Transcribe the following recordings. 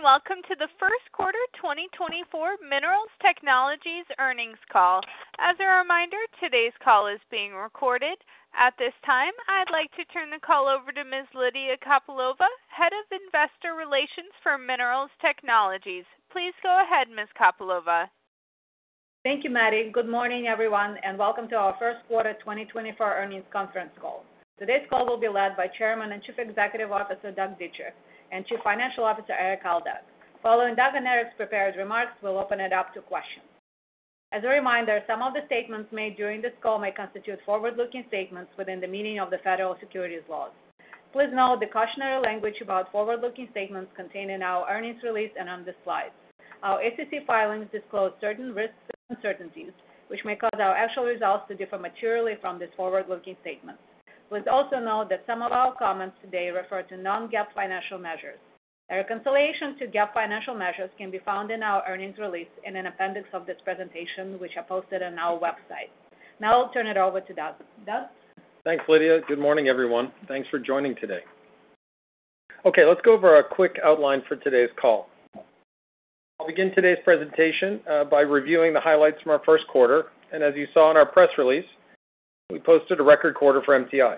Good day and welcome to the First Quarter 2024 Minerals Technologies Earnings Call. As a reminder, today's call is being recorded. At this time, I'd like to turn the call over to Ms. Lydia Kopylova, Head of Investor Relations for Minerals Technologies. Please go ahead, Ms. Kopylova. Thank you, Matthew. Good morning, everyone, and welcome to our First Quarter 2024 Earnings Conference Call. Today's call will be led by Chairman and Chief Executive Officer Doug Dietrich and Chief Financial Officer Erik Aldag. Following Doug and Erik's prepared remarks, we'll open it up to questions. As a reminder, some of the statements made during this call may constitute forward-looking statements within the meaning of the federal securities laws. Please note the cautionary language about forward-looking statements contained in our earnings release and on the slides. Our SEC filings disclose certain risks and uncertainties, which may cause our actual results to differ materially from these forward-looking statements. Please also note that some of our comments today refer to non-GAAP financial measures. A reconciliation to GAAP financial measures can be found in our earnings release in an appendix of this presentation, which I posted on our website. Now I'll turn it over to Doug. Doug? Thanks, Lydia. Good morning, everyone. Thanks for joining today. Okay, let's go over a quick outline for today's call. I'll begin today's presentation by reviewing the highlights from our first quarter. As you saw in our press release, we posted a record quarter for MTI,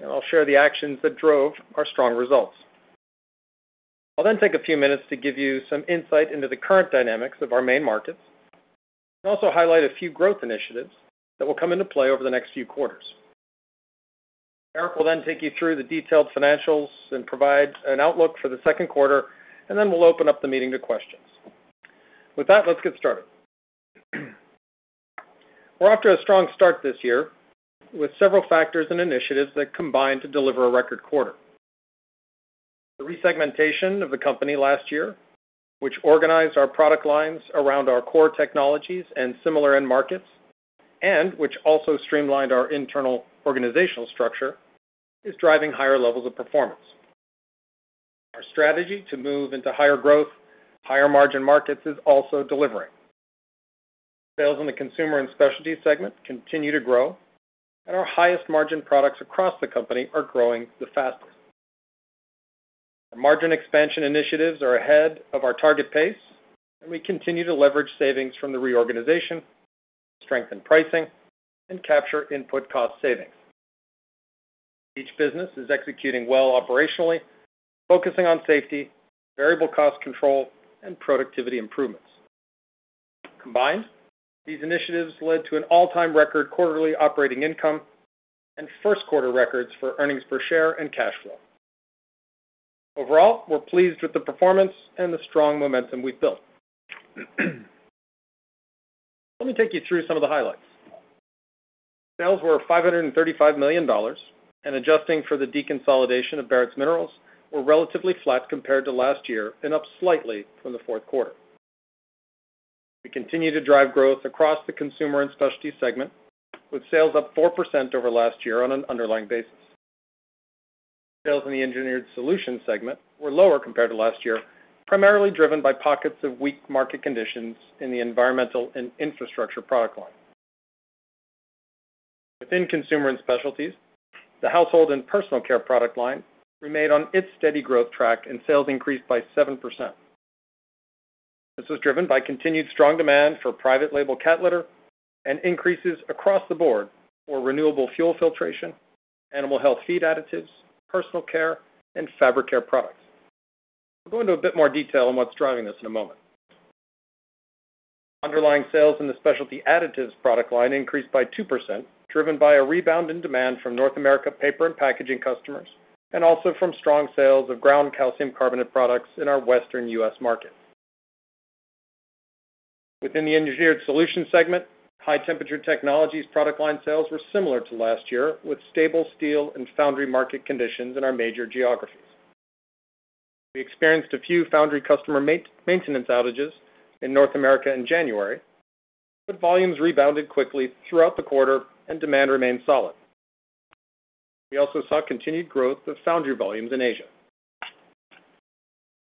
and I'll share the actions that drove our strong results. I'll then take a few minutes to give you some insight into the current dynamics of our main markets and also highlight a few growth initiatives that will come into play over the next few quarters. Erik will then take you through the detailed financials and provide an outlook for the second quarter, and then we'll open up the meeting to questions. With that, let's get started. We're off to a strong start this year with several factors and initiatives that combine to deliver a record quarter. The resegmentation of the company last year, which organized our product lines around our core technologies and similar end markets, and which also streamlined our internal organizational structure, is driving higher levels of performance. Our strategy to move into higher growth, higher margin markets is also delivering. Sales in the consumer and specialty segment continue to grow, and our highest margin products across the company are growing the fastest. Our margin expansion initiatives are ahead of our target pace, and we continue to leverage savings from the reorganization to strengthen pricing and capture input cost savings. Each business is executing well operationally, focusing on safety, variable cost control, and productivity improvements. Combined, these initiatives led to an all-time record quarterly operating income and first quarter records for earnings per share and cash flow. Overall, we're pleased with the performance and the strong momentum we've built. Let me take you through some of the highlights. Sales were $535 million, and adjusting for the deconsolidation of Barretts Minerals were relatively flat compared to last year and up slightly from the fourth quarter. We continue to drive growth across the consumer and specialty segment, with sales up 4% over last year on an underlying basis. Sales in the engineered solutions segment were lower compared to last year, primarily driven by pockets of weak market conditions in the environmental and infrastructure product line. Within consumer and specialties, the household and personal care product line remained on its steady growth track, and sales increased by 7%. This was driven by continued strong demand for private label cat litter and increases across the board for renewable fuel filtration, animal health feed additives, personal care, and fabric care products. We'll go into a bit more detail on what's driving this in a moment. Underlying sales in the specialty additives product line increased by 2%, driven by a rebound in demand from North America paper and packaging customers and also from strong sales of ground calcium carbonate products in our Western U.S. market. Within the engineered solutions segment, high temperature technologies product line sales were similar to last year, with stable steel and foundry market conditions in our major geographies. We experienced a few foundry customer maintenance outages in North America in January, but volumes rebounded quickly throughout the quarter and demand remained solid. We also saw continued growth of foundry volumes in Asia.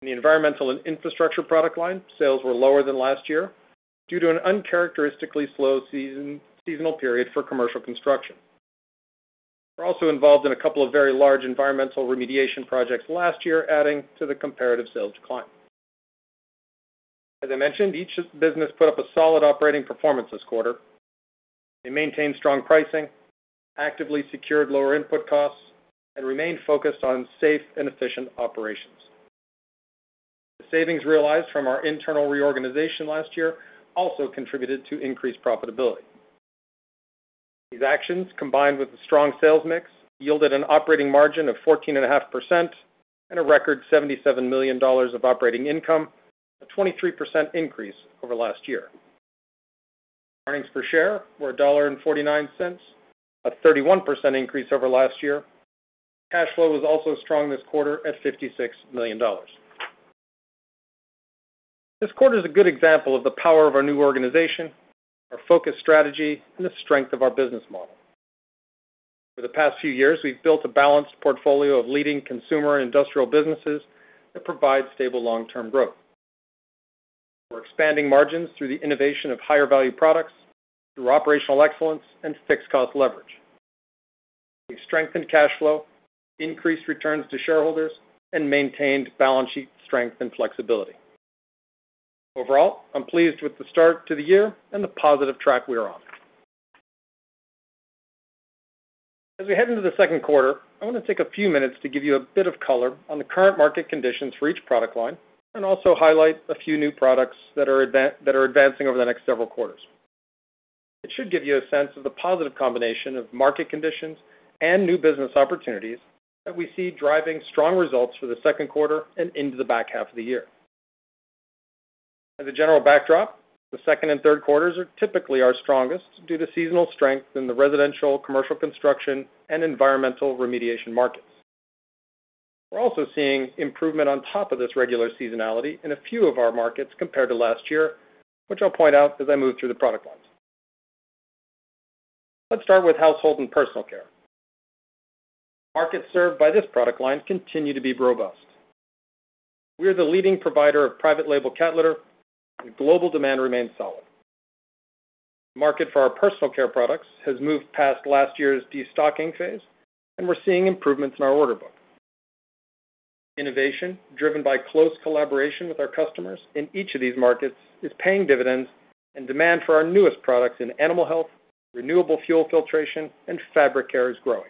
In the environmental and infrastructure product line, sales were lower than last year due to an uncharacteristically slow seasonal period for commercial construction. We're also involved in a couple of very large environmental remediation projects last year, adding to the comparative sales decline. As I mentioned, each business put up a solid operating performance this quarter. They maintained strong pricing, actively secured lower input costs, and remained focused on safe and efficient operations. The savings realized from our internal reorganization last year also contributed to increased profitability. These actions, combined with a strong sales mix, yielded an operating margin of 14.5% and a record $77 million of operating income, a 23% increase over last year. Earnings per share were $1.49, a 31% increase over last year. Cash flow was also strong this quarter at $56 million. This quarter is a good example of the power of our new organization, our focused strategy, and the strength of our business model. Over the past few years, we've built a balanced portfolio of leading consumer and industrial businesses that provide stable long-term growth. We're expanding margins through the innovation of higher value products, through operational excellence, and fixed cost leverage. We've strengthened cash flow, increased returns to shareholders, and maintained balance sheet strength and flexibility. Overall, I'm pleased with the start to the year and the positive track we're on. As we head into the second quarter, I want to take a few minutes to give you a bit of color on the current market conditions for each product line and also highlight a few new products that are advancing over the next several quarters. It should give you a sense of the positive combination of market conditions and new business opportunities that we see driving strong results for the second quarter and into the back half of the year. As a general backdrop, the second and third quarters are typically our strongest due to seasonal strength in the residential, commercial construction, and environmental remediation markets. We're also seeing improvement on top of this regular seasonality in a few of our markets compared to last year, which I'll point out as I move through the product lines. Let's start with household and personal care. Markets served by this product line continue to be robust. We are the leading provider of private label cat litter, and global demand remains solid. The market for our personal care products has moved past last year's destocking phase, and we're seeing improvements in our order book. Innovation, driven by close collaboration with our customers in each of these markets, is paying dividends, and demand for our newest products in animal health, renewable fuel filtration, and fabric care is growing.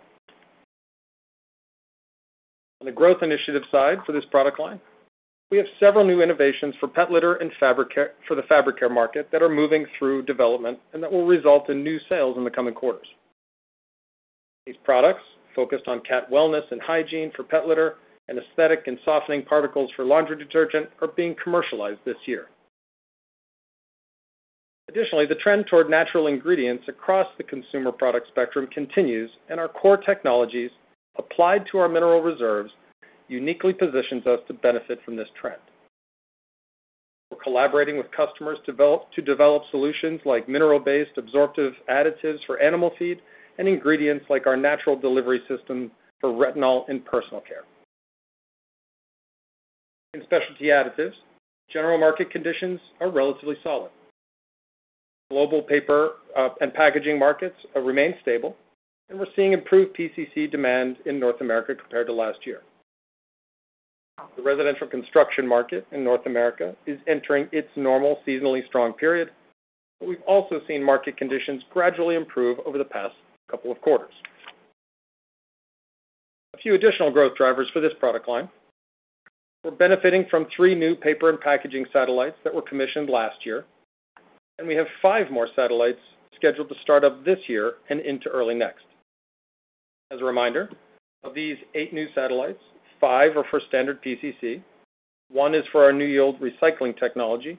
On the growth initiative side for this product line, we have several new innovations for pet litter and for the fabric care market that are moving through development and that will result in new sales in the coming quarters. These products, focused on cat wellness and hygiene for pet litter and aesthetic and softening particles for laundry detergent, are being commercialized this year. Additionally, the trend toward natural ingredients across the consumer product spectrum continues, and our core technologies applied to our mineral reserves uniquely positions us to benefit from this trend. We're collaborating with customers to develop solutions like mineral-based absorptive additives for animal feed and ingredients like our natural delivery system for retinol in personal care. In specialty additives, general market conditions are relatively solid. Global paper and packaging markets remain stable, and we're seeing improved PCC demand in North America compared to last year. The residential construction market in North America is entering its normal seasonally strong period, but we've also seen market conditions gradually improve over the past couple of quarters. A few additional growth drivers for this product line: we're benefiting from three new paper and packaging satellites that were commissioned last year, and we have five more satellites scheduled to start up this year and into early next. As a reminder, of these eight new satellites, five are for standard PCC, one is for our NewYield recycling technology,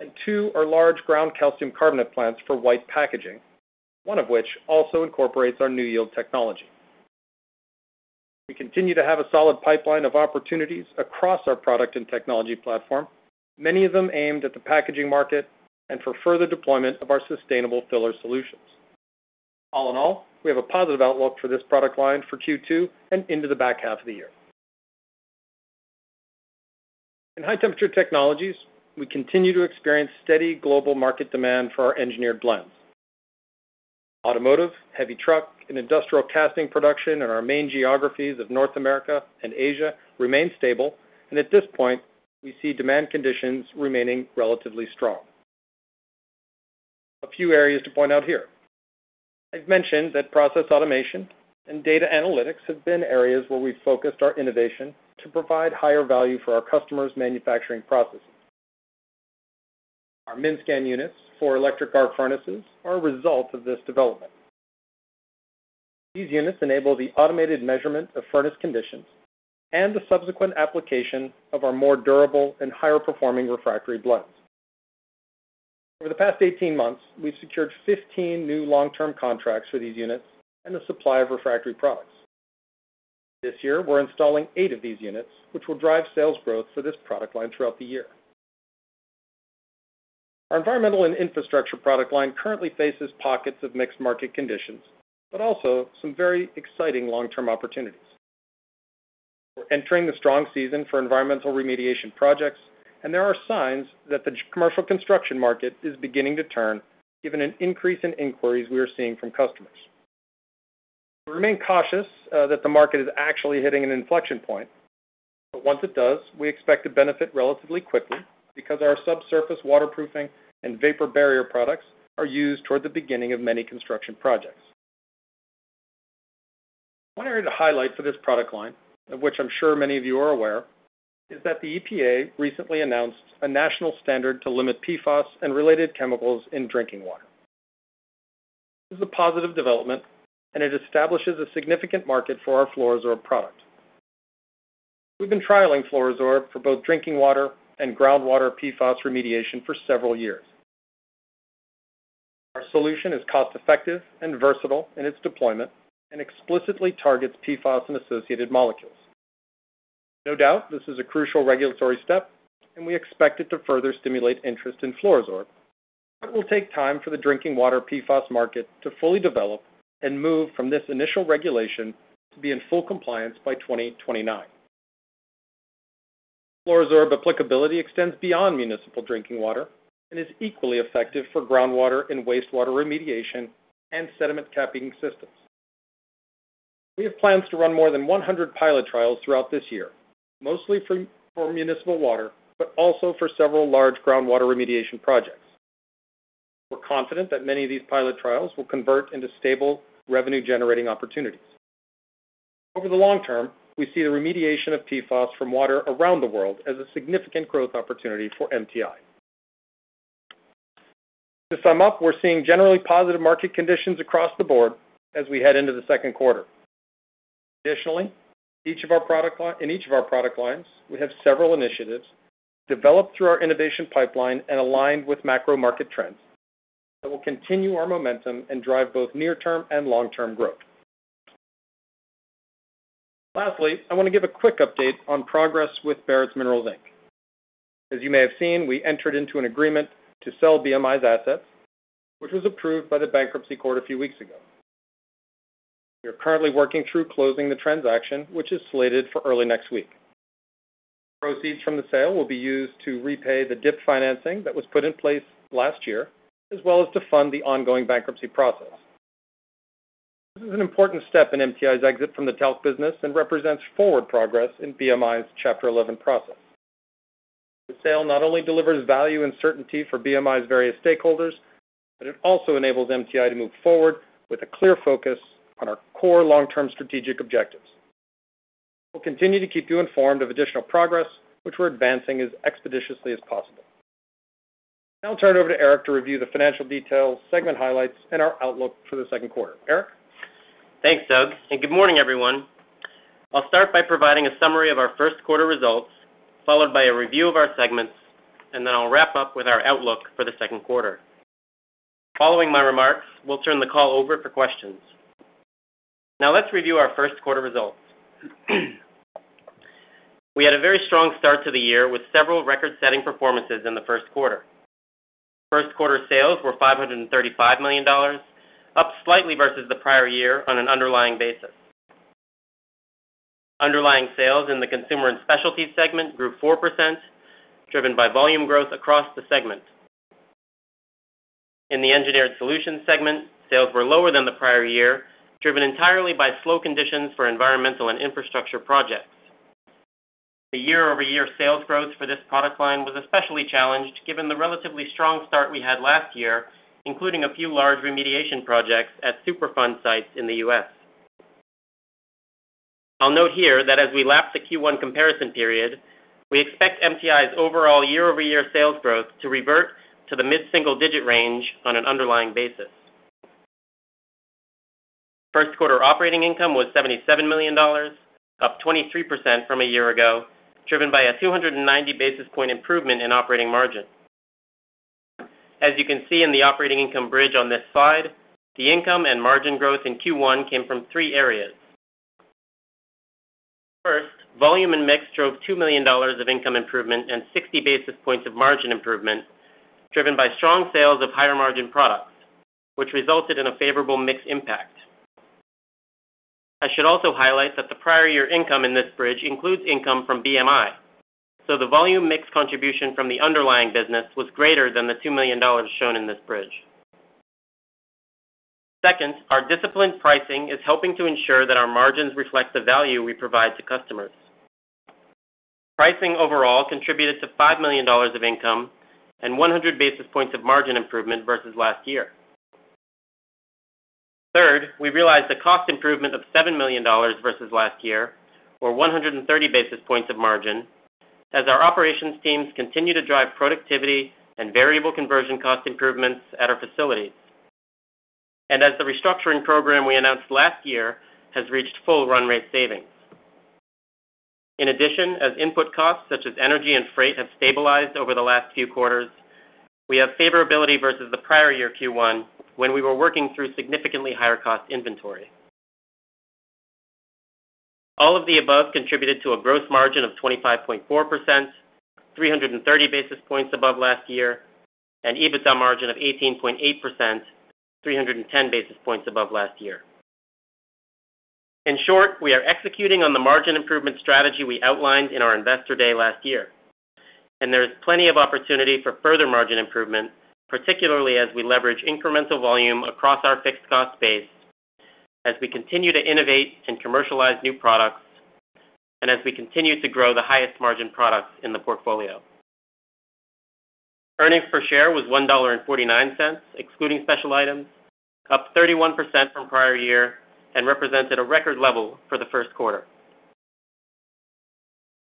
and two are large ground calcium carbonate plants for white packaging, one of which also incorporates our NewYield technology. We continue to have a solid pipeline of opportunities across our product and technology platform, many of them aimed at the packaging market and for further deployment of our sustainable filler solutions. All in all, we have a positive outlook for this product line for Q2 and into the back half of the year. In high temperature technologies, we continue to experience steady global market demand for our engineered blends. Automotive, heavy truck, and industrial casting production in our main geographies of North America and Asia remain stable, and at this point, we see demand conditions remaining relatively strong. A few areas to point out here: I've mentioned that process automation and data analytics have been areas where we've focused our innovation to provide higher value for our customers' manufacturing processes. Our MINSCAN units for electric arc furnaces are a result of this development. These units enable the automated measurement of furnace conditions and the subsequent application of our more durable and higher performing refractory blends. Over the past 18 months, we've secured 15 new long-term contracts for these units and the supply of refractory products. This year, we're installing 8 of these units, which will drive sales growth for this product line throughout the year. Our environmental and infrastructure product line currently faces pockets of mixed market conditions but also some very exciting long-term opportunities. We're entering the strong season for environmental remediation projects, and there are signs that the commercial construction market is beginning to turn given an increase in inquiries we are seeing from customers. We remain cautious that the market is actually hitting an inflection point, but once it does, we expect to benefit relatively quickly because our subsurface waterproofing and vapor barrier products are used toward the beginning of many construction projects. One area to highlight for this product line, of which I'm sure many of you are aware, is that the EPA recently announced a national standard to limit PFAS and related chemicals in drinking water. This is a positive development, and it establishes a significant market for our FLUORO-SORB product. We've been trialing FLUORO-SORB for both drinking water and groundwater PFAS remediation for several years. Our solution is cost-effective and versatile in its deployment and explicitly targets PFAS and associated molecules. No doubt, this is a crucial regulatory step, and we expect it to further stimulate interest in FLUORO-SORB, but it will take time for the drinking water PFAS market to fully develop and move from this initial regulation to be in full compliance by 2029. FLUORO-SORB applicability extends beyond municipal drinking water and is equally effective for groundwater and wastewater remediation and sediment capping systems. We have plans to run more than 100 pilot trials throughout this year, mostly for municipal water but also for several large groundwater remediation projects. We're confident that many of these pilot trials will convert into stable, revenue-generating opportunities. Over the long term, we see the remediation of PFAS from water around the world as a significant growth opportunity for MTI. To sum up, we're seeing generally positive market conditions across the board as we head into the second quarter. Additionally, in each of our product lines, we have several initiatives developed through our innovation pipeline and aligned with macro market trends that will continue our momentum and drive both near-term and long-term growth. Lastly, I want to give a quick update on progress with Barretts Minerals Inc. As you may have seen, we entered into an agreement to sell BMI's assets, which was approved by the bankruptcy court a few weeks ago. We are currently working through closing the transaction, which is slated for early next week. Proceeds from the sale will be used to repay the DIP financing that was put in place last year as well as to fund the ongoing bankruptcy process. This is an important step in MTI's exit from the talc business and represents forward progress in BMI's Chapter 11 process. The sale not only delivers value and certainty for BMI's various stakeholders, but it also enables MTI to move forward with a clear focus on our core long-term strategic objectives. We'll continue to keep you informed of additional progress, which we're advancing as expeditiously as possible. Now I'll turn it over to Erik to review the financial details, segment highlights, and our outlook for the second quarter. Erik? Thanks, Doug. Good morning, everyone. I'll start by providing a summary of our first quarter results, followed by a review of our segments, and then I'll wrap up with our outlook for the second quarter. Following my remarks, we'll turn the call over for questions. Now let's review our first quarter results. We had a very strong start to the year with several record-setting performances in the first quarter. First quarter sales were $535 million, up slightly versus the prior year on an underlying basis. Underlying sales in the consumer and specialties segment grew 4%, driven by volume growth across the segment. In the engineered solutions segment, sales were lower than the prior year, driven entirely by slow conditions for environmental and infrastructure projects. The year-over-year sales growth for this product line was especially challenged given the relatively strong start we had last year, including a few large remediation projects at Superfund sites in the U.S. I'll note here that as we lap the Q1 comparison period, we expect MTI's overall year-over-year sales growth to revert to the mid-single digit range on an underlying basis. First quarter operating income was $77 million, up 23% from a year ago, driven by a 290 basis point improvement in operating margin. As you can see in the operating income bridge on this slide, the income and margin growth in Q1 came from three areas. First, volume and mix drove $2 million of income improvement and 60 basis points of margin improvement, driven by strong sales of higher margin products, which resulted in a favorable mix impact. I should also highlight that the prior year income in this bridge includes income from BMI, so the volume mix contribution from the underlying business was greater than the $2 million shown in this bridge. Second, our disciplined pricing is helping to ensure that our margins reflect the value we provide to customers. Pricing overall contributed to $5 million of income and 100 basis points of margin improvement versus last year. Third, we realized a cost improvement of $7 million versus last year, or 130 basis points of margin, as our operations teams continue to drive productivity and variable conversion cost improvements at our facilities, and as the restructuring program we announced last year has reached full run-rate savings. In addition, as input costs such as energy and freight have stabilized over the last few quarters, we have favorability versus the prior year Q1 when we were working through significantly higher cost inventory. All of the above contributed to a gross margin of 25.4%, 330 basis points above last year, an EBITDA margin of 18.8%, 310 basis points above last year. In short, we are executing on the margin improvement strategy we outlined in our investor day last year, and there is plenty of opportunity for further margin improvement, particularly as we leverage incremental volume across our fixed cost base as we continue to innovate and commercialize new products and as we continue to grow the highest margin products in the portfolio. Earnings per share was $1.49, excluding special items, up 31% from prior year and represented a record level for the first quarter.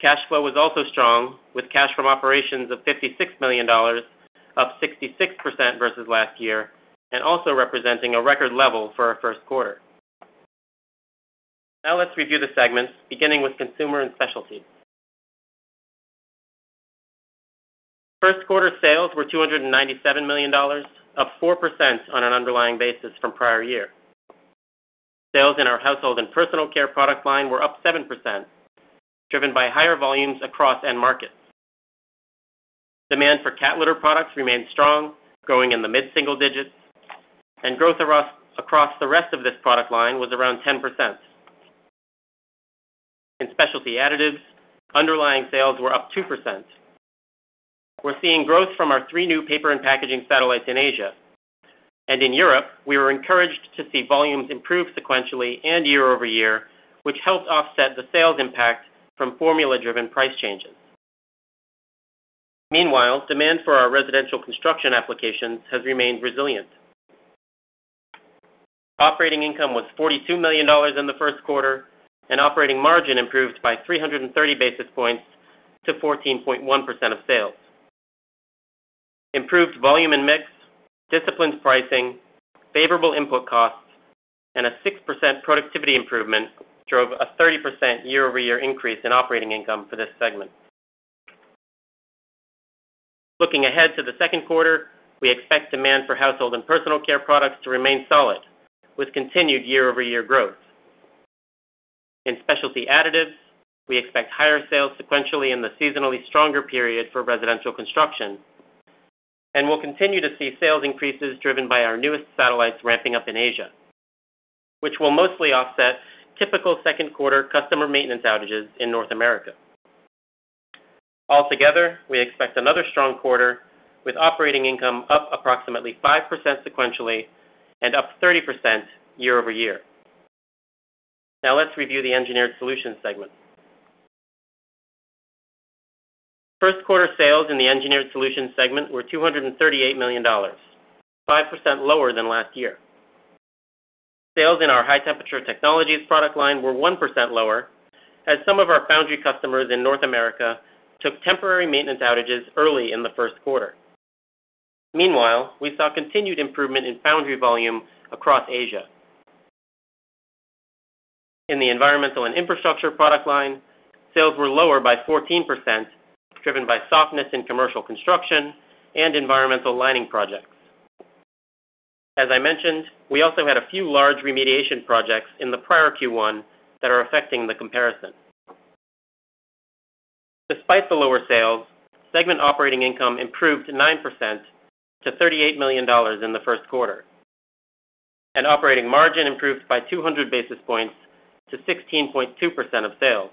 Cash flow was also strong, with cash from operations of $56 million, up 66% versus last year and also representing a record level for our first quarter. Now let's review the segments, beginning with consumer and specialties. First quarter sales were $297 million, up 4% on an underlying basis from prior year. Sales in our household and personal care product line were up 7%, driven by higher volumes across end markets. Demand for cat litter products remained strong, growing in the mid-single digits, and growth across the rest of this product line was around 10%. In specialty additives, underlying sales were up 2%. We're seeing growth from our three new paper and packaging satellites in Asia, and in Europe, we were encouraged to see volumes improve sequentially and year over year, which helped offset the sales impact from formula-driven price changes. Meanwhile, demand for our residential construction applications has remained resilient. Operating income was $42 million in the first quarter, and operating margin improved by 330 basis points to 14.1% of sales. Improved volume and mix, disciplined pricing, favorable input costs, and a 6% productivity improvement drove a 30% year-over-year increase in operating income for this segment. Looking ahead to the second quarter, we expect demand for household and personal care products to remain solid, with continued year-over-year growth. In specialty additives, we expect higher sales sequentially in the seasonally stronger period for residential construction, and we'll continue to see sales increases driven by our newest satellites ramping up in Asia, which will mostly offset typical second quarter customer maintenance outages in North America. Altogether, we expect another strong quarter with operating income up approximately 5% sequentially and up 30% year over year. Now let's review the engineered solutions segment. First quarter sales in the engineered solutions segment were $238 million, 5% lower than last year. Sales in our high temperature technologies product line were 1% lower as some of our foundry customers in North America took temporary maintenance outages early in the first quarter. Meanwhile, we saw continued improvement in foundry volume across Asia. In the environmental and infrastructure product line, sales were lower by 14%, driven by softness in commercial construction and environmental lining projects. As I mentioned, we also had a few large remediation projects in the prior Q1 that are affecting the comparison. Despite the lower sales, segment operating income improved 9% to $38 million in the first quarter, and operating margin improved by 200 basis points to 16.2% of sales.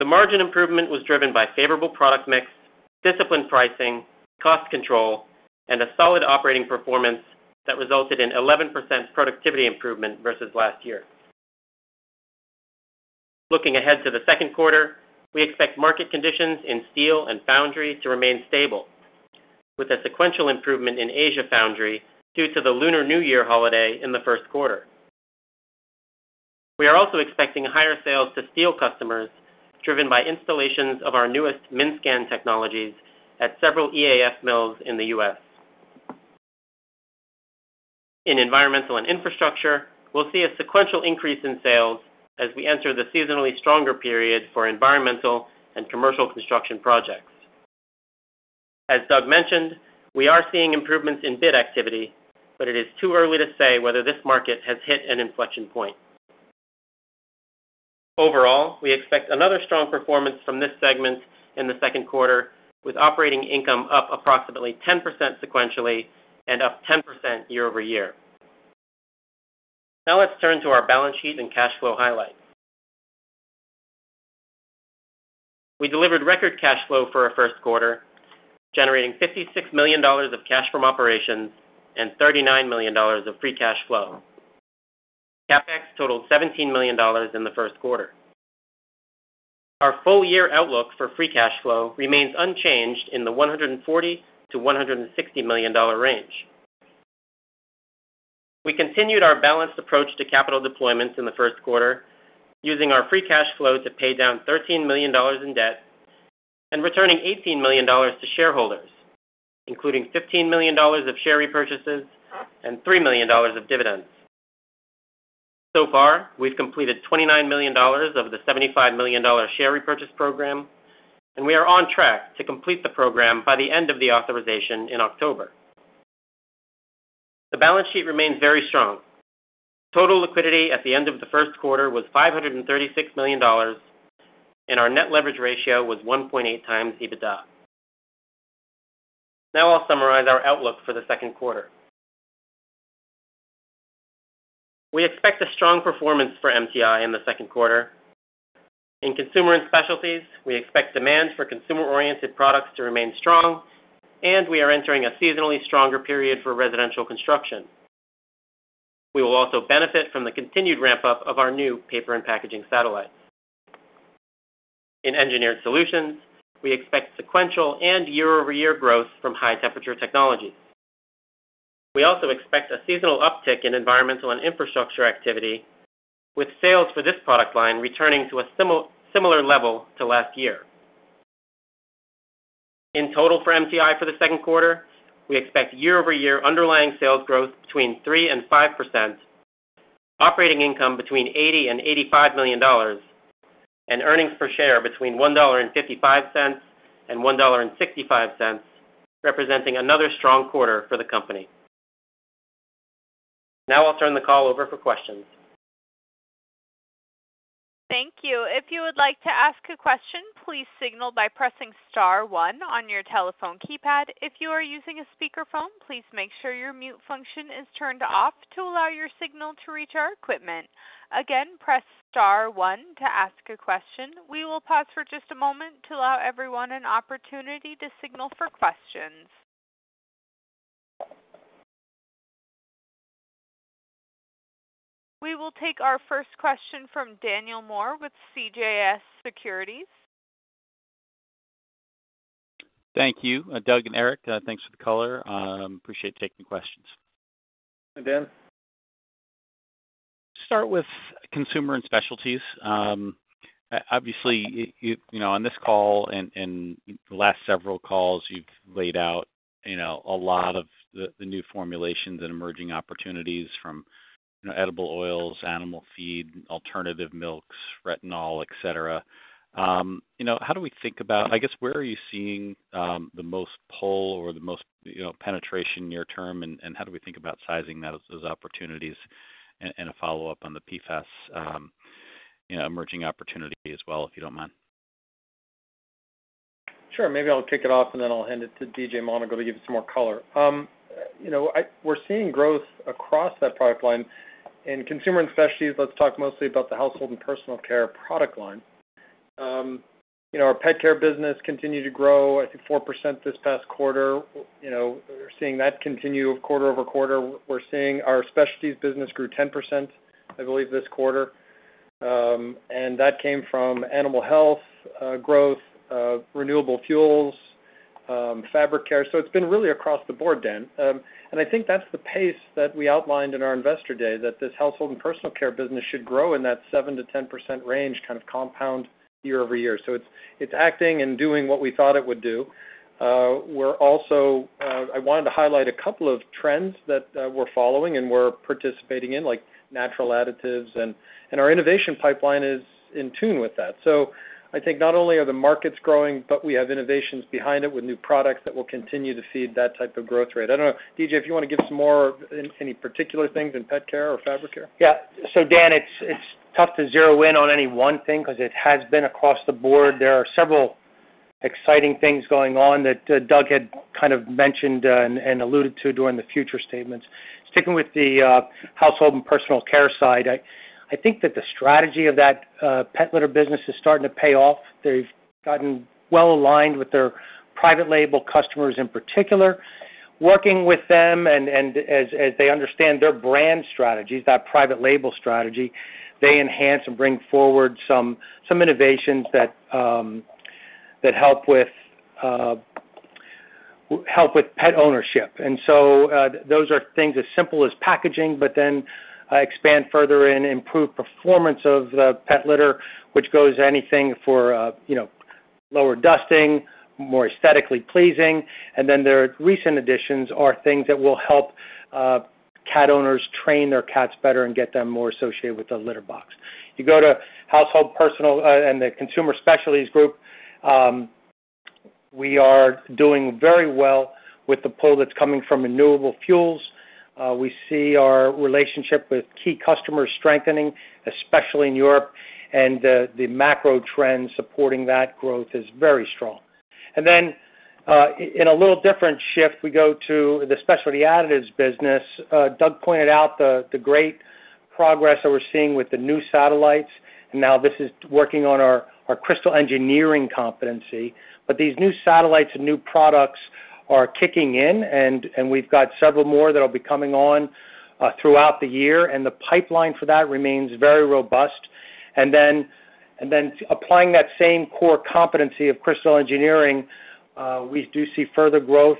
The margin improvement was driven by favorable product mix, disciplined pricing, cost control, and a solid operating performance that resulted in 11% productivity improvement versus last year. Looking ahead to the second quarter, we expect market conditions in steel and foundry to remain stable, with a sequential improvement in Asia foundry due to the Lunar New Year holiday in the first quarter. We are also expecting higher sales to steel customers, driven by installations of our newest MINSCAN technologies at several EAF mills in the U.S. In environmental and infrastructure, we'll see a sequential increase in sales as we enter the seasonally stronger period for environmental and commercial construction projects. As Doug mentioned, we are seeing improvements in bid activity, but it is too early to say whether this market has hit an inflection point. Overall, we expect another strong performance from this segment in the second quarter, with operating income up approximately 10% sequentially and up 10% year-over-year. Now let's turn to our balance sheet and cash flow highlights. We delivered record cash flow for our first quarter, generating $56 million of cash from operations and $39 million of free cash flow. CapEx totaled $17 million in the first quarter. Our full-year outlook for free cash flow remains unchanged in the $140-$160 million range. We continued our balanced approach to capital deployment in the first quarter, using our free cash flow to pay down $13 million in debt and returning $18 million to shareholders, including $15 million of share repurchases and $3 million of dividends. So far, we've completed $29 million of the $75 million share repurchase program, and we are on track to complete the program by the end of the authorization in October. The balance sheet remains very strong. Total liquidity at the end of the first quarter was $536 million, and our net leverage ratio was 1.8 times EBITDA. Now I'll summarize our outlook for the second quarter. We expect a strong performance for MTI in the second quarter. In consumer and specialties, we expect demand for consumer-oriented products to remain strong, and we are entering a seasonally stronger period for residential construction. We will also benefit from the continued ramp-up of our new paper and packaging satellites. In engineered solutions, we expect sequential and year-over-year growth from high temperature technologies. We also expect a seasonal uptick in environmental and infrastructure activity, with sales for this product line returning to a similar level to last year. In total for MTI for the second quarter, we expect year-over-year underlying sales growth between 3%-5%, operating income between $80 million-$85 million, and earnings per share between $1.55-$1.65, representing another strong quarter for the company. Now I'll turn the call over for questions. Thank you. If you would like to ask a question, please signal by pressing star one on your telephone keypad. If you are using a speakerphone, please make sure your mute function is turned off to allow your signal to reach our equipment. Again, press star one to ask a question. We will pause for just a moment to allow everyone an opportunity to signal for questions. We will take our first question from Daniel Moore with CJS Securities. Thank you, Doug and Eric. Thanks for the caller. Appreciate taking questions. Hi, Dan. Start with consumer and specialties. Obviously, on this call and the last several calls, you've laid out a lot of the new formulations and emerging opportunities from edible oils, animal feed, alternative milks, retinol, etc. How do we think about I guess, where are you seeing the most pull or the most penetration near term, and how do we think about sizing those opportunities? And a follow-up on the PFAS emerging opportunity as well, if you don't mind. Sure. Maybe I'll kick it off, and then I'll hand it to D.J. Monagle to give us more color. We're seeing growth across that product line. In consumer and specialties, let's talk mostly about the household and personal care product line. Our pet care business continued to grow, I think, 4% this past quarter. We're seeing that continue quarter-over-quarter. Our specialties business grew 10%, I believe, this quarter. And that came from animal health growth, renewable fuels, fabric care. So it's been really across the board, Dan. And I think that's the pace that we outlined in our investor day, that this household and personal care business should grow in that 7%-10% range kind of compound year-over-year. So it's acting and doing what we thought it would do. I wanted to highlight a couple of trends that we're following and we're participating in, like natural additives. And our innovation pipeline is in tune with that. So I think not only are the markets growing, but we have innovations behind it with new products that will continue to feed that type of growth rate. I don't know, D.J., if you want to give some more any particular things in pet care or fabric care. Yeah. So, Dan, it's tough to zero in on any one thing because it has been across the board. There are several exciting things going on that Doug had kind of mentioned and alluded to during the future statements. Sticking with the household and personal care side, I think that the strategy of that pet litter business is starting to pay off. They've gotten well aligned with their private label customers in particular. Working with them, and as they understand their brand strategies, that private label strategy, they enhance and bring forward some innovations that help with pet ownership. And so those are things as simple as packaging, but then expand further and improve performance of the pet litter, which goes anything for lower dusting, more aesthetically pleasing. And then their recent additions are things that will help cat owners train their cats better and get them more associated with the litter box. If you go to household, personal, and the consumer specialties group, we are doing very well with the pull that's coming from renewable fuels. We see our relationship with key customers strengthening, especially in Europe, and the macro trend supporting that growth is very strong. And then in a little different shift, we go to the specialty additives business. Doug pointed out the great progress that we're seeing with the new satellites. And now this is working on our crystal engineering competency. But these new satellites and new products are kicking in, and we've got several more that will be coming on throughout the year. And the pipeline for that remains very robust. And then applying that same core competency of crystal engineering, we do see further growth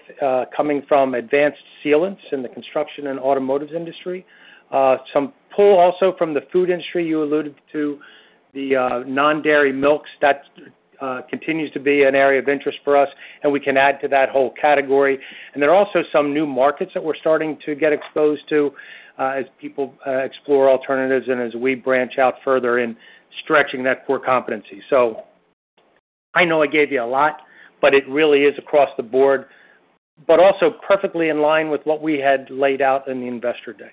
coming from advanced sealants in the construction and automotive industry. Some pull also from the food industry. You alluded to the non-dairy milks. That continues to be an area of interest for us, and we can add to that whole category. And there are also some new markets that we're starting to get exposed to as people explore alternatives and as we branch out further in stretching that core competency. So I know I gave you a lot, but it really is across the board, but also perfectly in line with what we had laid out in the investor day.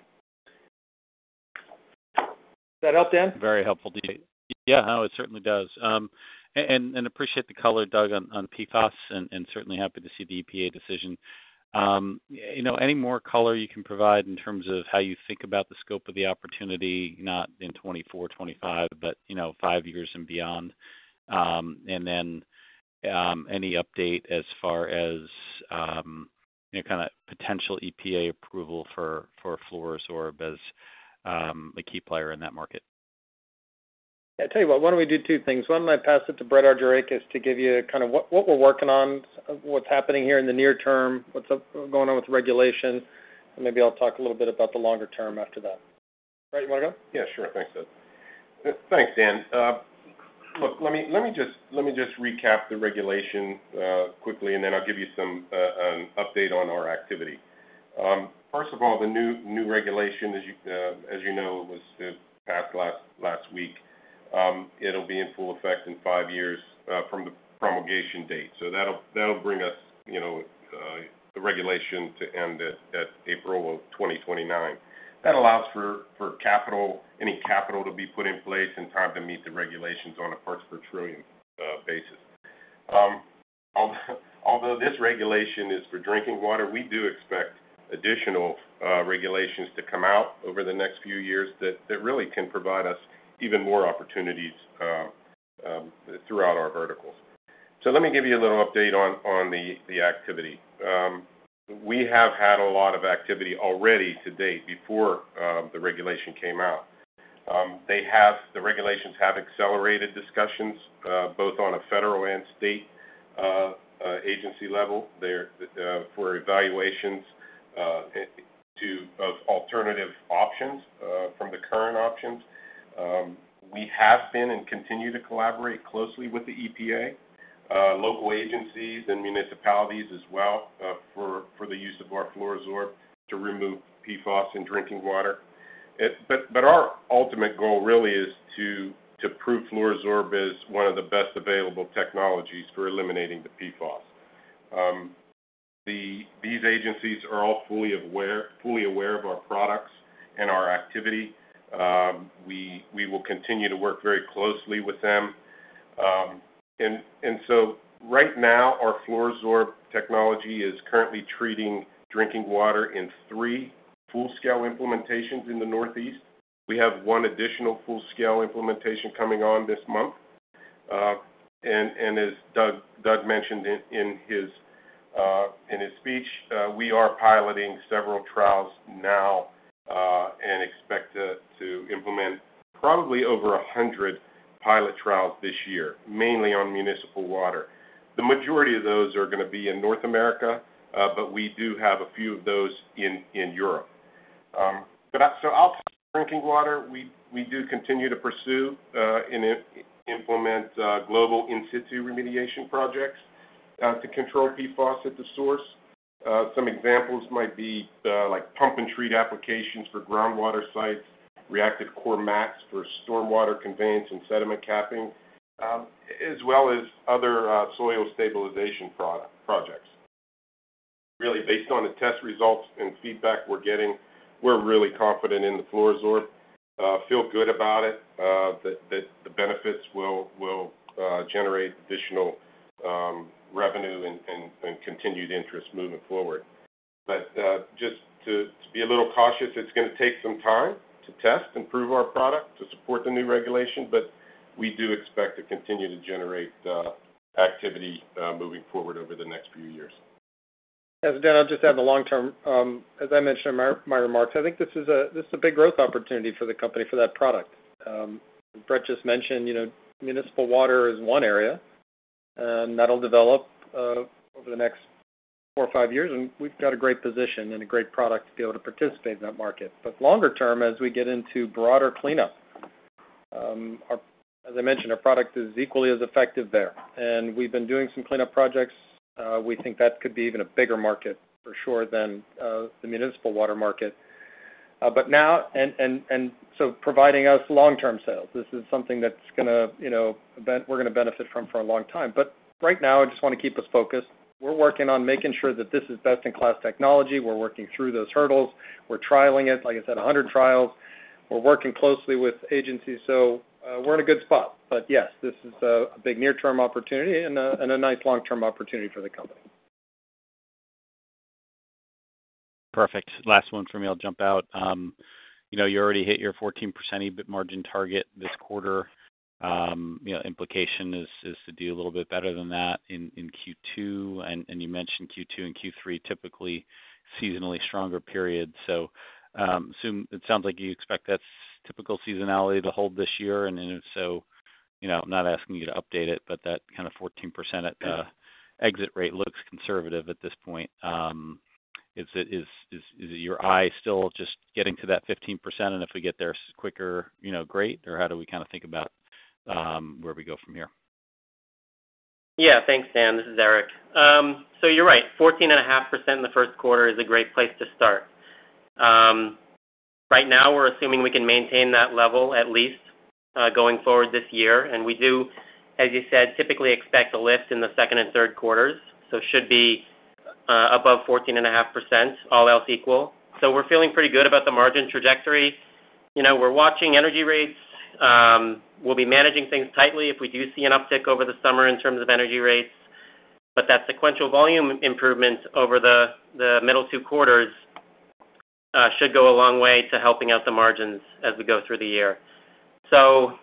Does that help, Dan? Very helpful, DJ. Yeah, no, it certainly does. And appreciate the color, Doug, on PFAS, and certainly happy to see the EPA decision. Any more color you can provide in terms of how you think about the scope of the opportunity, not in 2024, 2025, but five years and beyond? And then any update as far as kind of potential EPA approval for FLUORO-SORB as a key player in that market? Yeah. Tell you what, why don't we do two things? One, I pass it to Brett Argirakis to give you kind of what we're working on, what's happening here in the near term, what's going on with the regulation. And maybe I'll talk a little bit about the longer term after that. Right? You want to go? Yeah, sure. Thanks, Doug. Thanks, Dan. Look, let me just recap the regulation quickly, and then I'll give you an update on our activity. First of all, the new regulation, as you know, was passed last week.It'll be in full effect in five years from the promulgation date. So that'll bring us the regulation to end at April of 2029. That allows for any capital to be put in place in time to meet the regulations on a per-trillion basis. Although this regulation is for drinking water, we do expect additional regulations to come out over the next few years that really can provide us even more opportunities throughout our verticals. So let me give you a little update on the activity. We have had a lot of activity already to date before the regulation came out. The regulations have accelerated discussions both on a federal and state agency level for evaluations of alternative options from the current options. We have been and continue to collaborate closely with the EPA, local agencies, and municipalities as well for the use of our FLUORO-SORB to remove PFAS in drinking water. But our ultimate goal really is to prove FLUORO-SORB as one of the best available technologies for eliminating the PFAS. These agencies are all fully aware of our products and our activity. We will continue to work very closely with them. And so right now, our FLUORO-SORB technology is currently treating drinking water in 3 full-scale implementations in the Northeast. We have 1 additional full-scale implementation coming on this month. And as Doug mentioned in his speech, we are piloting several trials now and expect to implement probably over 100 pilot trials this year, mainly on municipal water. The majority of those are going to be in North America, but we do have a few of those in Europe. So I'll talk drinking water. We do continue to pursue and implement global in-situ remediation projects to control PFAS at the source. Some examples might be pump and treat applications for groundwater sites, reactive core mats for stormwater conveyance and sediment capping, as well as other soil stabilization projects. Really, based on the test results and feedback we're getting, we're really confident in the FLUORO-SORB. Feel good about it, that the benefits will generate additional revenue and continued interest moving forward. But just to be a little cautious, it's going to take some time to test and prove our product to support the new regulation, but we do expect to continue to generate activity moving forward over the next few years. As I said, I'll just add the long-term as I mentioned in my remarks, I think this is a big growth opportunity for the company, for that product. Brett just mentioned municipal water is one area, and that'll develop over the next 4 or 5 years. We've got a great position and a great product to be able to participate in that market. But longer term, as we get into broader cleanup, as I mentioned, our product is equally as effective there. We've been doing some cleanup projects. We think that could be even a bigger market for sure than the municipal water market. But now, and so providing us long-term sales, this is something that's going to benefit from for a long time. But right now, I just want to keep us focused. We're working on making sure that this is best-in-class technology. We're working through those hurdles. We're trialing it, like I said, 100 trials. We're working closely with agencies. So we're in a good spot. But yes, this is a big near-term opportunity and a nice long-term opportunity for the company. Perfect. Last one for me. I'll jump out. You already hit your 14% margin target this quarter. Implication is to do a little bit better than that in Q2. And you mentioned Q2 and Q3, typically seasonally stronger periods. So it sounds like you expect that's typical seasonality to hold this year. And if so, I'm not asking you to update it, but that kind of 14% exit rate looks conservative at this point. Is your eye still just getting to that 15%? And if we get there quicker, great. Or how do we kind of think about where we go from here? Yeah. Thanks, Dan. This is Eric. So you're right. 14.5% in the first quarter is a great place to start. Right now, we're assuming we can maintain that level at least going forward this year. And we do, as you said, typically expect a lift in the second and third quarters. So should be above 14.5%, all else equal. So we're feeling pretty good about the margin trajectory. We're watching energy rates. We'll be managing things tightly if we do see an uptick over the summer in terms of energy rates. But that sequential volume improvement over the middle two quarters should go a long way to helping out the margins as we go through the year. So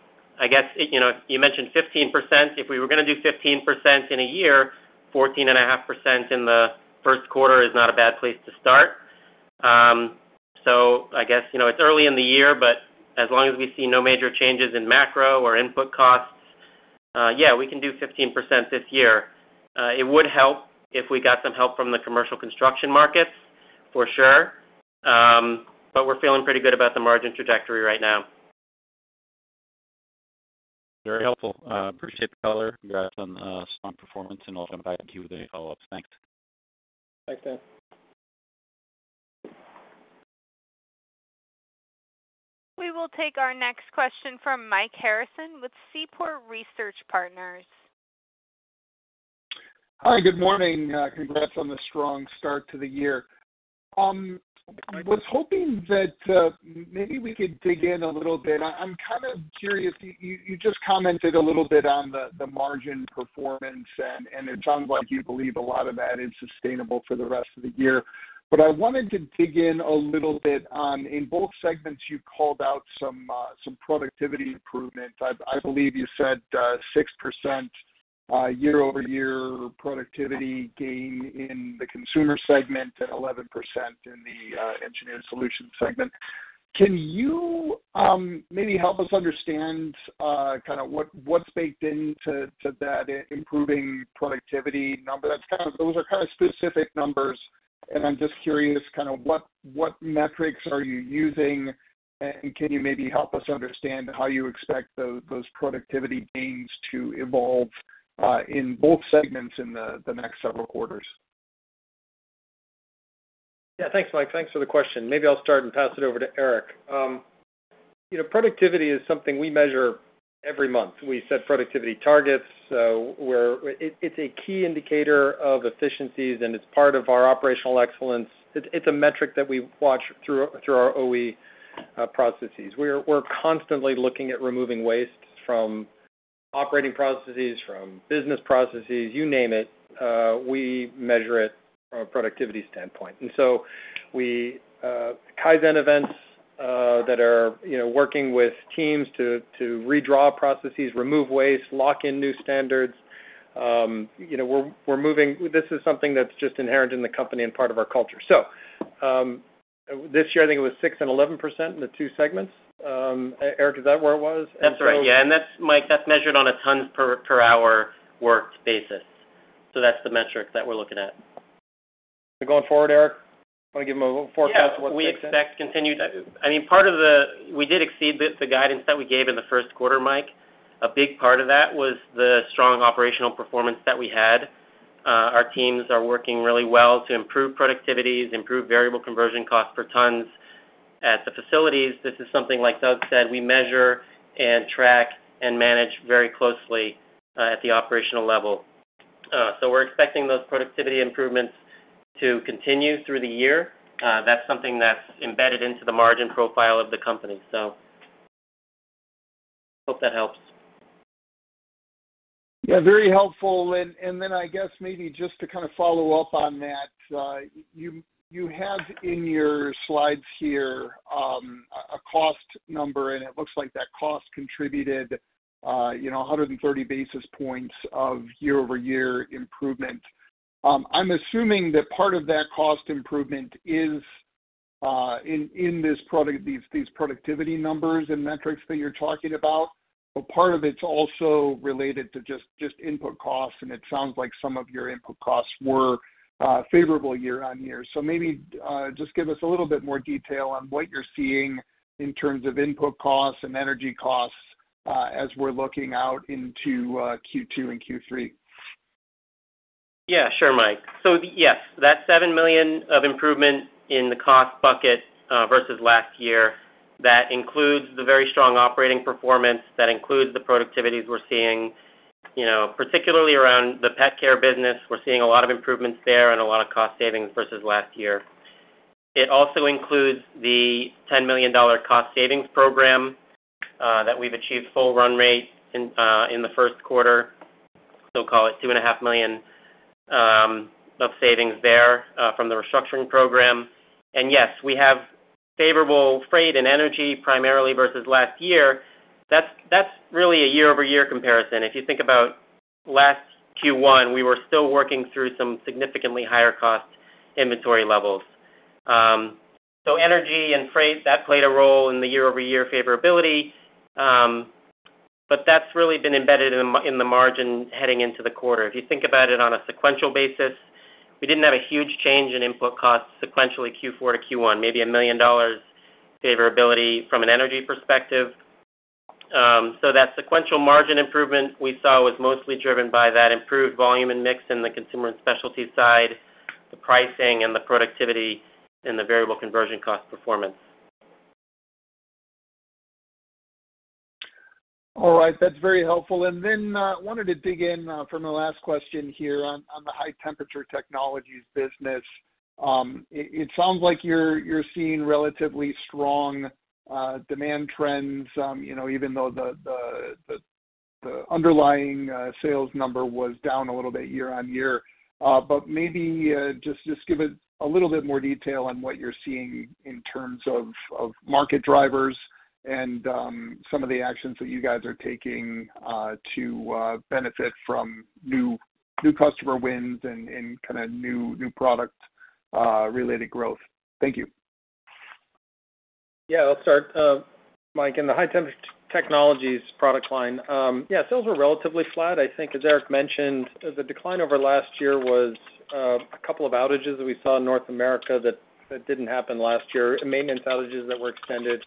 I guess you mentioned 15%. If we were going to do 15% in a year, 14.5% in the first quarter is not a bad place to start. I guess it's early in the year, but as long as we see no major changes in macro or input costs, yeah, we can do 15% this year. It would help if we got some help from the commercial construction markets, for sure. But we're feeling pretty good about the margin trajectory right now. Very helpful. Appreciate the color. Congrats on strong performance. I'll jump back to you with any follow-ups. Thanks. Thanks, Dan. We will take our next question from Mike Harrison with Seaport Research Partners. Hi. Good morning. Congrats on the strong start to the year. I was hoping that maybe we could dig in a little bit. I'm kind of curious. You just commented a little bit on the margin performance, and it sounds like you believe a lot of that is sustainable for the rest of the year. But I wanted to dig in a little bit on in both segments, you called out some productivity improvement. I believe you said 6% year-over-year productivity gain in the consumer segment and 11% in the engineered solutions segment. Can you maybe help us understand kind of what's baked into that improving productivity number? Those are kind of specific numbers. And I'm just curious kind of what metrics are you using, and can you maybe help us understand how you expect those productivity gains to evolve in both segments in the next several quarters? Yeah. Thanks, Mike. Thanks for the question. Maybe I'll start and pass it over to Eric. Productivity is something we measure every month. We set productivity targets. It's a key indicator of efficiencies, and it's part of our operational excellence. It's a metric that we watch through our OE processes. We're constantly looking at removing waste from operating processes, from business processes, you name it. We measure it from a productivity standpoint. Kaizen events that are working with teams to redraw processes, remove waste, lock in new standards. We're moving. This is something that's just inherent in the company and part of our culture. So this year, I think it was 6% and 11% in the two segments. Erik, is that where it was? That's right. Yeah. Mike, that's measured on a tons-per-hour-worked basis. So that's the metric that we're looking at. So going forward, Erik? Want to give them a forecast of what's fixing? Yeah. We expect continued. I mean, part of the, we did exceed the guidance that we gave in the first quarter, Mike. A big part of that was the strong operational performance that we had. Our teams are working really well to improve productivities, improve variable conversion costs per tons at the facilities. This is something, like Doug said, we measure and track and manage very closely at the operational level. So we're expecting those productivity improvements to continue through the year. That's something that's embedded into the margin profile of the company. So hope that helps. Yeah. Very helpful. And then I guess maybe just to kind of follow up on that, you have in your slides here a cost number, and it looks like that cost contributed 130 basis points of year-over-year improvement. I'm assuming that part of that cost improvement is in these productivity numbers and metrics that you're talking about, but part of it's also related to just input costs. And it sounds like some of your input costs were favorable year-over-year. So maybe just give us a little bit more detail on what you're seeing in terms of input costs and energy costs as we're looking out into Q2 and Q3. Yeah. Sure, Mike. So yes, that $7 million of improvement in the cost bucket versus last year, that includes the very strong operating performance, that includes the productivities we're seeing, particularly around the pet care business. We're seeing a lot of improvements there and a lot of cost savings versus last year. It also includes the $10 million cost savings program that we've achieved full run rate in the first quarter. So call it $2.5 million of savings there from the restructuring program. And yes, we have favorable freight and energy primarily versus last year. That's really a year-over-year comparison. If you think about last Q1, we were still working through some significantly higher cost inventory levels. So energy and freight, that played a role in the year-over-year favorability. But that's really been embedded in the margin heading into the quarter. If you think about it on a sequential basis, we didn't have a huge change in input costs sequentially Q4 to Q1, maybe $1 million favorability from an energy perspective. So that sequential margin improvement we saw was mostly driven by that improved volume and mix in the consumer and specialty side, the pricing, and the productivity in the variable conversion cost performance. All right. That's very helpful. And then I wanted to dig in from the last question here on the high-temperature technologies business. It sounds like you're seeing relatively strong demand trends, even though the underlying sales number was down a little bit year-on-year. But maybe just give us a little bit more detail on what you're seeing in terms of market drivers and some of the actions that you guys are taking to benefit from new customer wins and kind of new product-related growth. Thank you. Yeah. I'll start, Mike, in the high-temperature technologies product line. Yeah. Sales were relatively flat, I think, as Erik mentioned. The decline over last year was a couple of outages that we saw in North America that didn't happen last year, maintenance outages that were extended.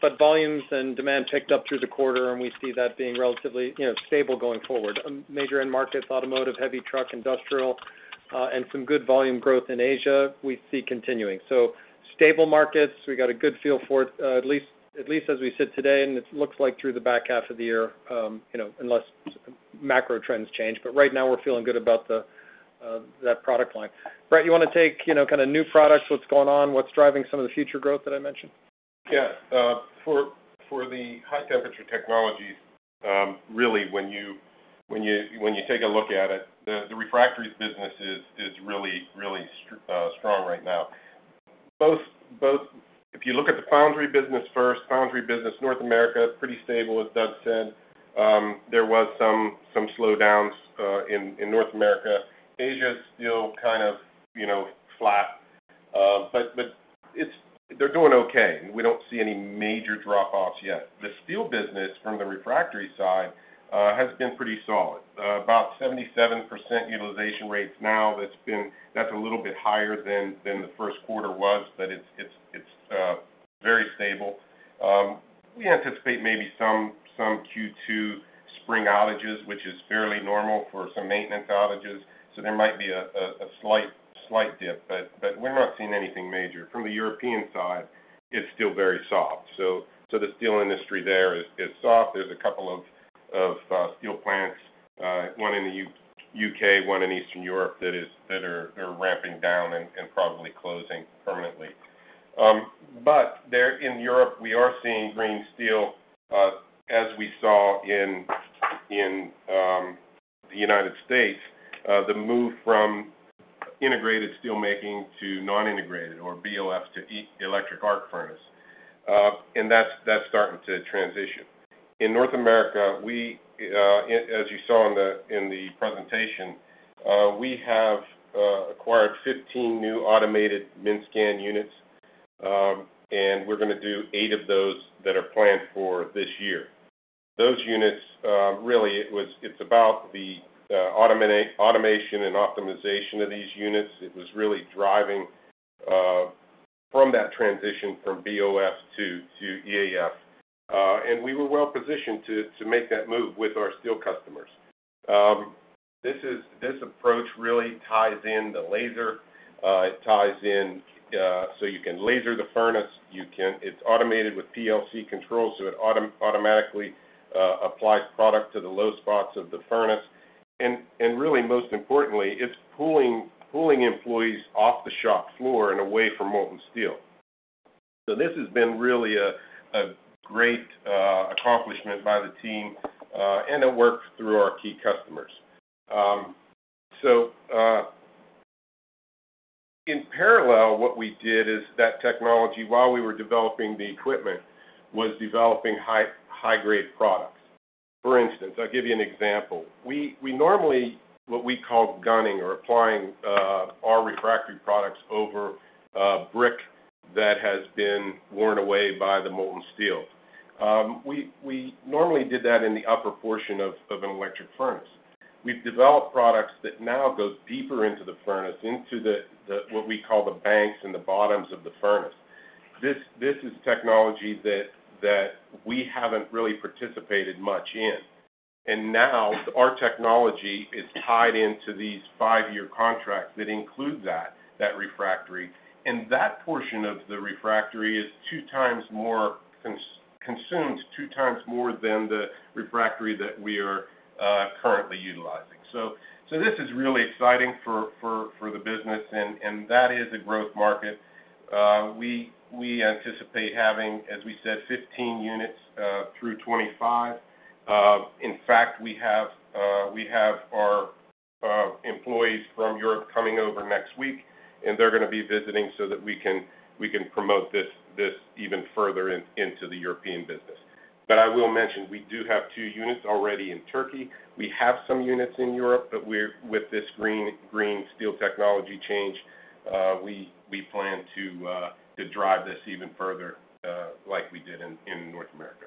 But volumes and demand picked up through the quarter, and we see that being relatively stable going forward. Major end markets: automotive, heavy truck, industrial, and some good volume growth in Asia we see continuing. So stable markets. We got a good feel for it, at least as we sit today, and it looks like through the back half of the year unless macro trends change. But right now, we're feeling good about that product line. Brett, you want to take kind of new products, what's going on, what's driving some of the future growth that I mentioned? Yeah. For the high-temperature technologies, really, when you take a look at it, the refractories business is really, really strong right now. If you look at the foundry business first, foundry business, North America pretty stable, as Doug said. There was some slowdowns in North America. Asia is still kind of flat. But they're doing okay. We don't see any major drop-offs yet. The steel business from the refractory side has been pretty solid. About 77% utilization rates now. That's a little bit higher than the first quarter was, but it's very stable. We anticipate maybe some Q2 spring outages, which is fairly normal for some maintenance outages. So there might be a slight dip. But we're not seeing anything major. From the European side, it's still very soft. So the steel industry there is soft. There's a couple of steel plants, one in the UK, one in Eastern Europe, that are ramping down and probably closing permanently. But in Europe, we are seeing green steel as we saw in the United States, the move from integrated steelmaking to non-integrated or BOF to electric arc furnace. And that's starting to transition. In North America, as you saw in the presentation, we have acquired 15 new automated MINSCAN units. And we're going to do 8 of those that are planned for this year. Those units, really, it's about the automation and optimization of these units. It was really driving from that transition from BOF to EAF. We were well positioned to make that move with our steel customers. This approach really ties in the laser. It ties in so you can laser the furnace. It's automated with PLC control, so it automatically applies product to the low spots of the furnace. Really, most importantly, it's pulling employees off the shop floor and away from molten steel. This has been really a great accomplishment by the team, and it worked through our key customers. In parallel, what we did is that technology, while we were developing the equipment, was developing high-grade products. For instance, I'll give you an example. What we call gunning or applying our refractory products over brick that has been worn away by the molten steel. We normally did that in the upper portion of an electric furnace. We've developed products that now go deeper into the furnace, into what we call the banks and the bottoms of the furnace. This is technology that we haven't really participated much in. Now, our technology is tied into these five-year contracts that include that refractory. And that portion of the refractory is two times more consumed, two times more than the refractory that we are currently utilizing. So this is really exciting for the business, and that is a growth market. We anticipate having, as we said, 15 units through 2025. In fact, we have our employees from Europe coming over next week, and they're going to be visiting so that we can promote this even further into the European business. I will mention we do have 2 units already in Turkey. We have some units in Europe, but with this green steel technology change, we plan to drive this even further like we did in North America.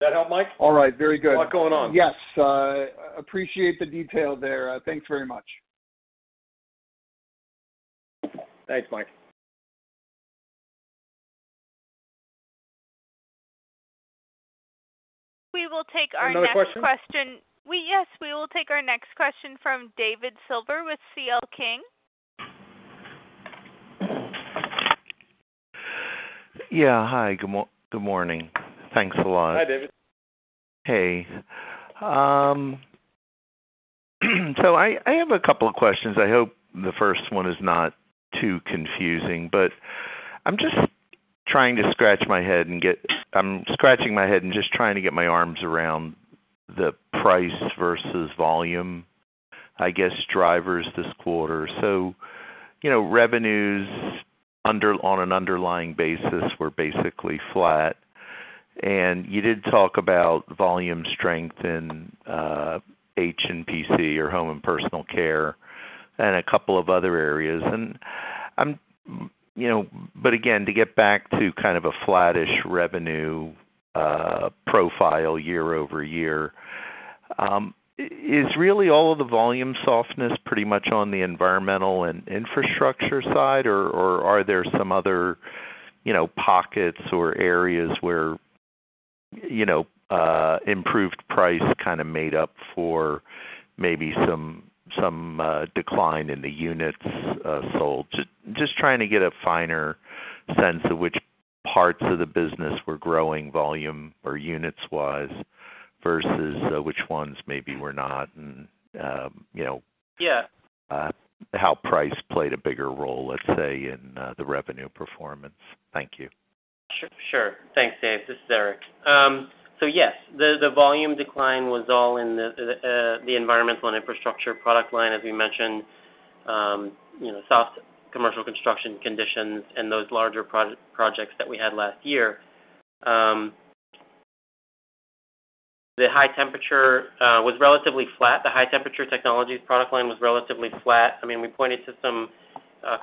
Did that help, Mike? All right. Very good. What's going on? Yes. Appreciate the detail there. Thanks very much. Thanks, Mike. We will take our next question. Another question? Yes. We will take our next question from David Silver with C.L. King. Yeah. Hi. Good morning. Thanks a lot. Hi, David. Hey. So I have a couple of questions. I hope the first one is not too confusing. But I'm scratching my head and just trying to get my arms around the price versus volume, I guess, drivers this quarter. So revenues, on an underlying basis, were basically flat. You did talk about volume strength in H&PC or home and personal care and a couple of other areas. But again, to get back to kind of a flat-ish revenue profile year-over-year, is really all of the volume softness pretty much on the environmental and infrastructure side, or are there some other pockets or areas where improved price kind of made up for maybe some decline in the units sold? Just trying to get a finer sense of which parts of the business were growing volume or units-wise versus which ones maybe were not and how price played a bigger role, let's say, in the revenue performance. Thank you. Sure. Thanks, David. This is Erik. So yes, the volume decline was all in the environmental and infrastructure product line, as we mentioned. Soft commercial construction conditions and those larger projects that we had last year. The high temperature was relatively flat. The high-temperature technologies product line was relatively flat. I mean, we pointed to some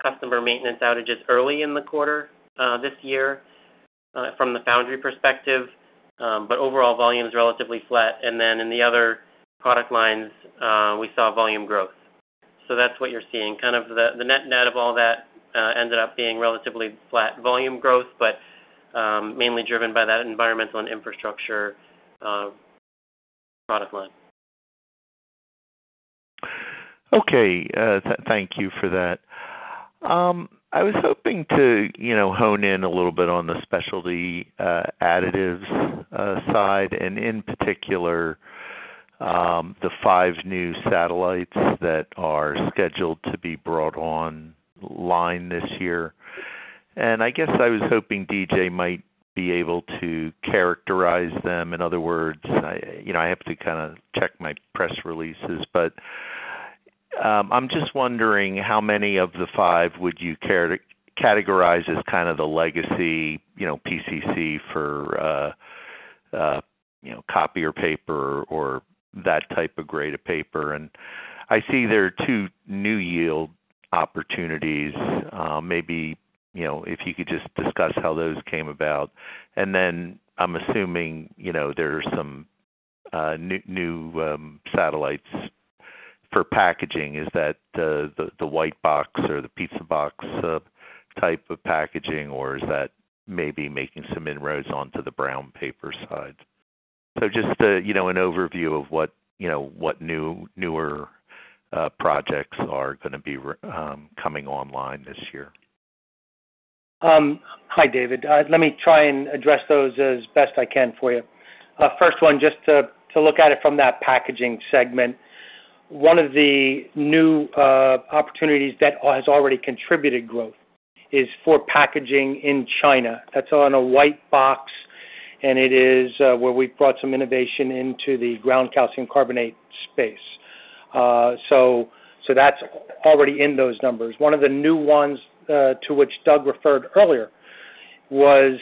customer maintenance outages early in the quarter this year from the foundry perspective. But overall, volume is relatively flat. And then in the other product lines, we saw volume growth. So that's what you're seeing. Kind of the net-net of all that ended up being relatively flat volume growth but mainly driven by that environmental and infrastructure product line. Okay. Thank you for that. I was hoping to hone in a little bit on the specialty additives side and, in particular, the five new satellites that are scheduled to be brought online this year. And I guess I was hoping D.J. might be able to characterize them. In other words, I have to kind of check my press releases. I'm just wondering, how many of the five would you categorize as kind of the legacy PCC for copy or paper or that type of grade of paper? I see there are two NewYield opportunities. Maybe if you could just discuss how those came about. Then I'm assuming there are some new satellites for packaging. Is that the white box or the pizza box type of packaging, or is that maybe making some inroads onto the brown paper side? Just an overview of what newer projects are going to be coming online this year. Hi, David. Let me try and address those as best I can for you. First one, just to look at it from that packaging segment, one of the new opportunities that has already contributed growth is for packaging in China. That's on a white box, and it is where we've brought some innovation into the Ground Calcium Carbonate space. So that's already in those numbers. One of the new ones to which Doug referred earlier was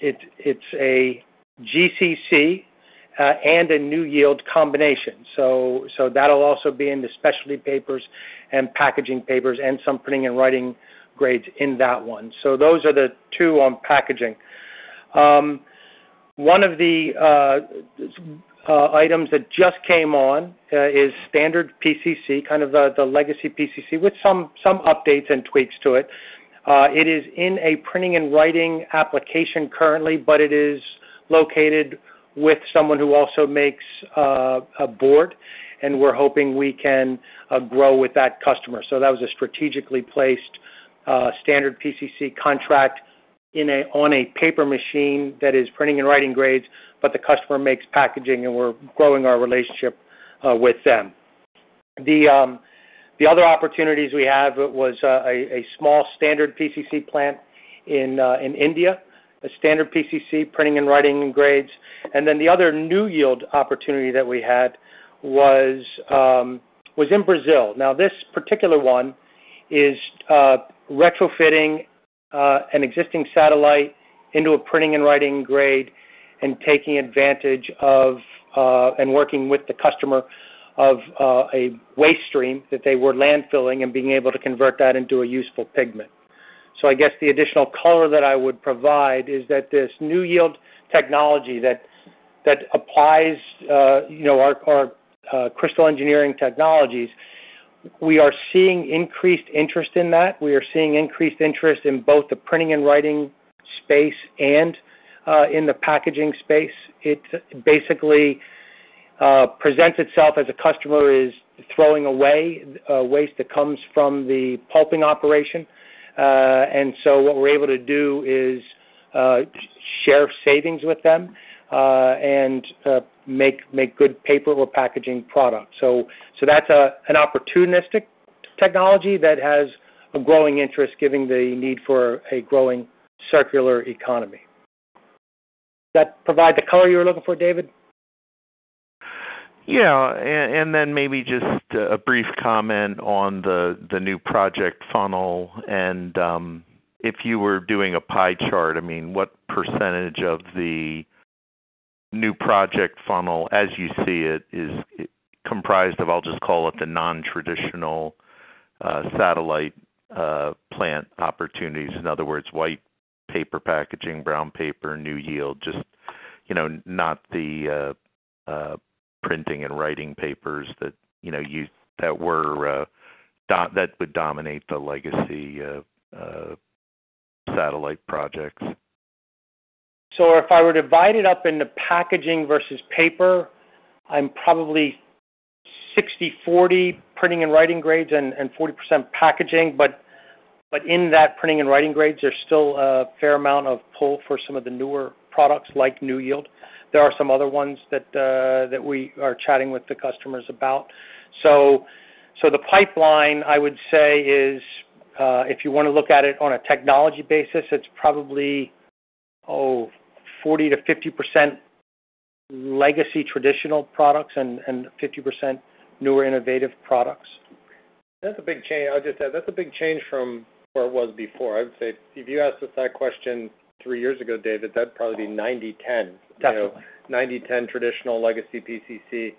it's a GCC and a NewYield combination. So that'll also be in the specialty papers and packaging papers and some printing and writing grades in that one. So those are the two on packaging. One of the items that just came on is standard PCC, kind of the legacy PCC with some updates and tweaks to it. It is in a printing and writing application currently, but it is located with someone who also makes a board. And we're hoping we can grow with that customer. So that was a strategically placed standard PCC contract on a paper machine that is printing and writing grades, but the customer makes packaging, and we're growing our relationship with them. The other opportunities we have was a small standard PCC plant in India, a standard PCC printing and writing grades. And then the other NewYield opportunity that we had was in Brazil. Now, this particular one is retrofitting an existing satellite into a printing and writing grade and taking advantage of and working with the customer of a waste stream that they were landfilling and being able to convert that into a useful pigment. So I guess the additional color that I would provide is that this NewYield technology that applies our crystal engineering technologies, we are seeing increased interest in that. We are seeing increased interest in both the printing and writing space and in the packaging space. It basically presents itself as a customer is throwing away waste that comes from the pulping operation. And so what we're able to do is share savings with them and make good paper or packaging products. So that's an opportunistic technology that has a growing interest given the need for a growing circular economy. Did that provide the color you were looking for, David? Yeah. And then maybe just a brief comment on the new project funnel. And if you were doing a pie chart, I mean, what percentage of the new project funnel, as you see it, is comprised of, I'll just call it, the non-traditional satellite plant opportunities? In other words, white paper packaging, brown paper, NewYield, just not the printing and writing papers that would dominate the legacy satellite projects. So if I were to divide it up into packaging versus paper, I'm probably 60/40 printing and writing grades and 40% packaging. But in that printing and writing grades, there's still a fair amount of pull for some of the newer products like NewYield. There are some other ones that we are chatting with the customers about. So the pipeline, I would say, is if you want to look at it on a technology basis, it's probably, oh, 40%-50% legacy traditional products and 50% newer innovative products. That's a big change. I'll just add, that's a big change from where it was before. I would say if you asked us that question three years ago, David, that'd probably be 90/10, 90/10 traditional legacy PCC.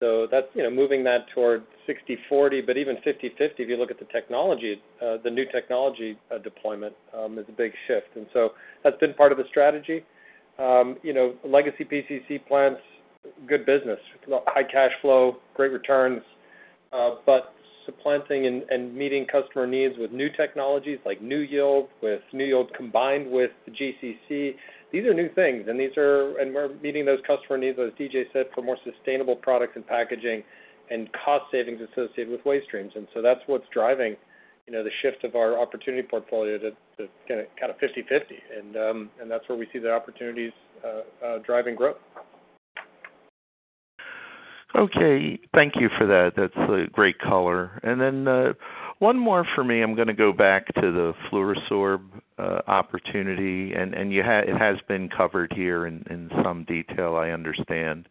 So moving that toward 60/40 but even 50/50, if you look at the new technology deployment, is a big shift. And so that's been part of the strategy. Legacy PCC plants, good business, high cash flow, great returns. But supplanting and meeting customer needs with new technologies like NewYield, combined with the GCC, these are new things. And we're meeting those customer needs, as D.J. said, for more sustainable products and packaging and cost savings associated with waste streams. And so that's what's driving the shift of our opportunity portfolio to kind of 50/50. And that's where we see the opportunities driving growth. Okay. Thank you for that. That's a great color. And then one more for me. I'm going to go back to the FLUORO-SORB opportunity. It has been covered here in some detail, I understand.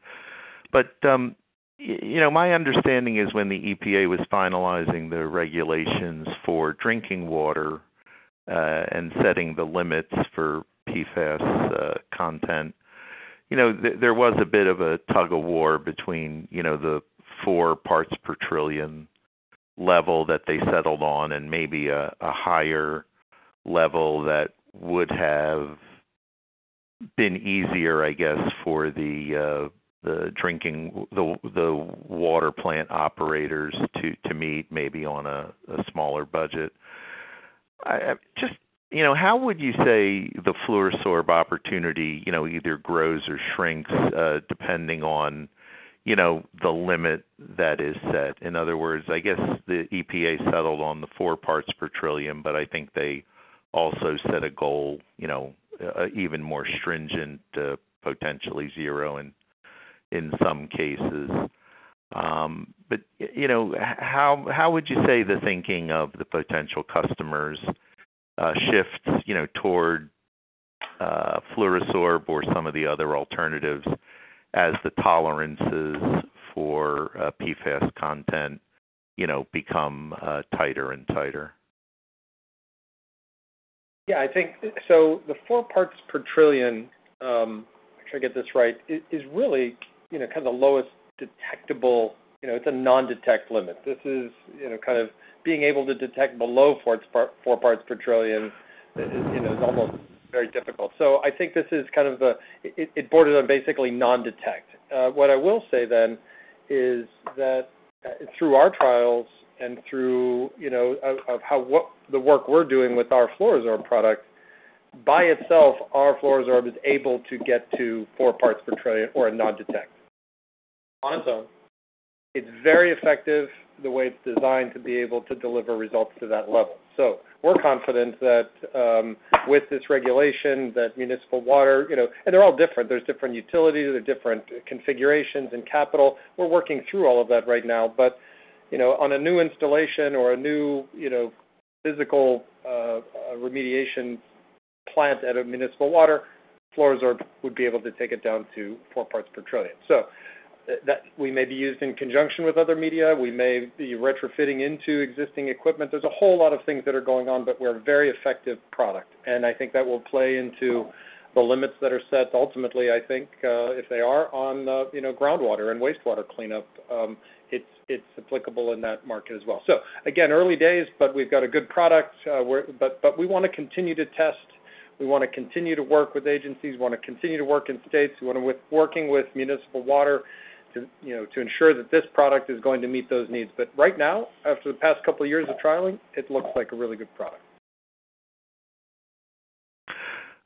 My understanding is when the EPA was finalizing the regulations for drinking water and setting the limits for PFAS content, there was a bit of a tug-of-war between the 4 parts per trillion level that they settled on and maybe a higher level that would have been easier, I guess, for the water plant operators to meet maybe on a smaller budget. Just how would you say the FLUORO-SORB opportunity either grows or shrinks depending on the limit that is set? In other words, I guess the EPA settled on the 4 parts per trillion, but I think they also set a goal, even more stringent, potentially 0 in some cases. But how would you say the thinking of the potential customers shifts toward FLUORO-SORB or some of the other alternatives as the tolerances for PFAS content become tighter and tighter? Yeah. So the 4 parts per trillion, I'll try to get this right, is really kind of the lowest detectable. It's a non-detect limit. This is kind of being able to detect below 4 parts per trillion is almost very difficult. So I think this is kind of the it borders on basically non-detect. What I will say then is that through our trials and through the work we're doing with our FLUORO-SORB product, by itself, our FLUORO-SORB is able to get to 4 parts per trillion or a non-detect on its own. It's very effective the way it's designed to be able to deliver results to that level. So we're confident that with this regulation, that municipal water and they're all different. There's different utilities. There are different configurations and capital. We're working through all of that right now. But on a new installation or a new physical remediation plant at a municipal water, FLUORO-SORB would be able to take it down to 4 parts per trillion. So we may be used in conjunction with other media. We may be retrofitting into existing equipment. There's a whole lot of things that are going on, but we're a very effective product. And I think that will play into the limits that are set. Ultimately, I think if they are on groundwater and wastewater cleanup, it's applicable in that market as well. So again, early days, but we've got a good product. But we want to continue to test. We want to continue to work with agencies. We want to continue to work in states. We want to be working with municipal water to ensure that this product is going to meet those needs. But right now, after the past couple of years of trialing, it looks like a really good product.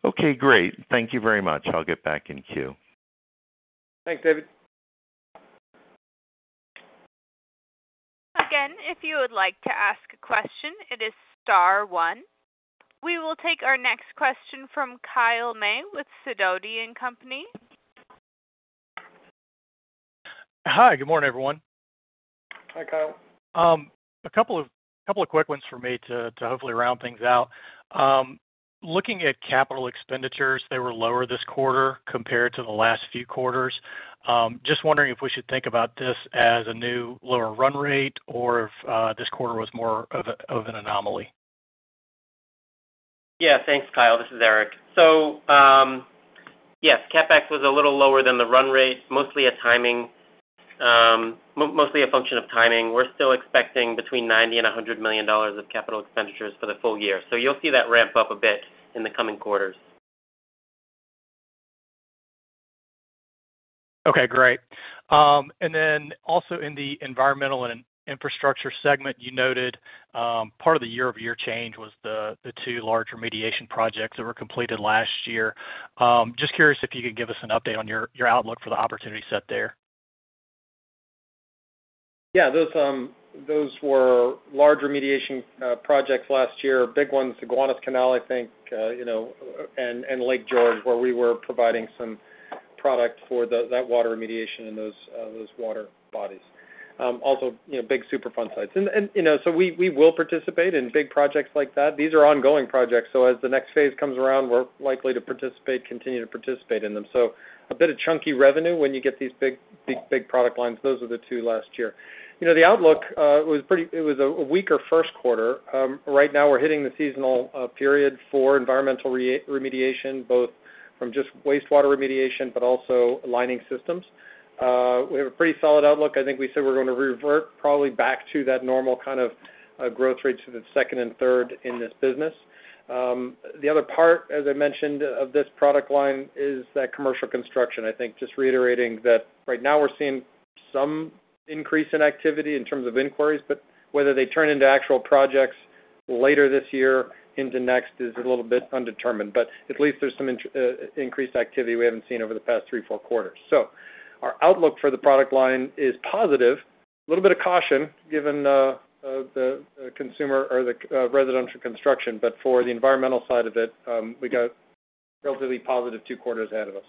Okay. Great. Thank you very much. I'll get back in queue. Thanks, David. Again, if you would like to ask a question, it is star one. We will take our next question from Kyle May with Sidoti & Company. Hi. Good morning, everyone. Hi, Kyle. A couple of quick ones for me to hopefully round things out. Looking at capital expenditures, they were lower this quarter compared to the last few quarters. Just wondering if we should think about this as a new lower run rate or if this quarter was more of an anomaly. Yeah. Thanks, Kyle. This is Erik. So yes, CapEx was a little lower than the run rate, mostly a function of timing. We're still expecting between $90 million and $100 million of capital expenditures for the full year. So you'll see that ramp up a bit in the coming quarters. Okay. Great. And then also in the environmental and infrastructure segment, you noted part of the year-over-year change was the two large remediation projects that were completed last year. Just curious if you could give us an update on your outlook for the opportunity set there. Yeah. Those were large remediation projects last year, big ones, the Gowanus Canal, I think, and Lake George where we were providing some product for that water remediation in those water bodies, also big Superfund sites. And so we will participate in big projects like that. These are ongoing projects. So as the next phase comes around, we're likely to continue to participate in them. So a bit of chunky revenue when you get these big, big product lines. Those are the two last year. The outlook, it was a weaker first quarter. Right now, we're hitting the seasonal period for environmental remediation, both from just wastewater remediation but also lining systems. We have a pretty solid outlook. I think we said we're going to revert probably back to that normal kind of growth rate to the second and third in this business. The other part, as I mentioned, of this product line is that commercial construction, I think, just reiterating that right now, we're seeing some increase in activity in terms of inquiries. But whether they turn into actual projects later this year into next is a little bit undetermined. But at least there's some increased activity we haven't seen over the past three, four quarters. So our outlook for the product line is positive, a little bit of caution given the consumer or the residential construction. But for the environmental side of it, we got relatively positive two quarters ahead of us.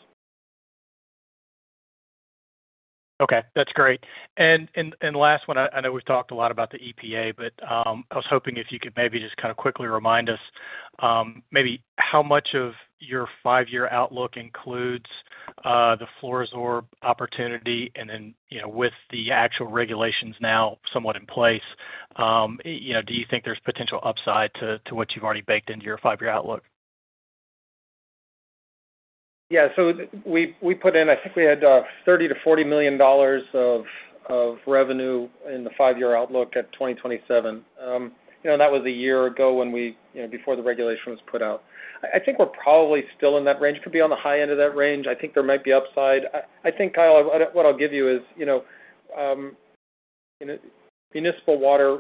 Okay. That's great. And last one, I know we've talked a lot about the EPA, but I was hoping if you could maybe just kind of quickly remind us maybe how much of your five-year outlook includes the FLUORO-SORB opportunity. And then with the actual regulations now somewhat in place, do you think there's potential upside to what you've already baked into your five-year outlook? Yeah. So we put in, I think we had $30 million - $40 million of revenue in the five-year outlook at 2027. And that was a year ago when we before the regulation was put out. I think we're probably still in that range. It could be on the high end of that range. I think there might be upside. I think, Kyle, what I'll give you is municipal water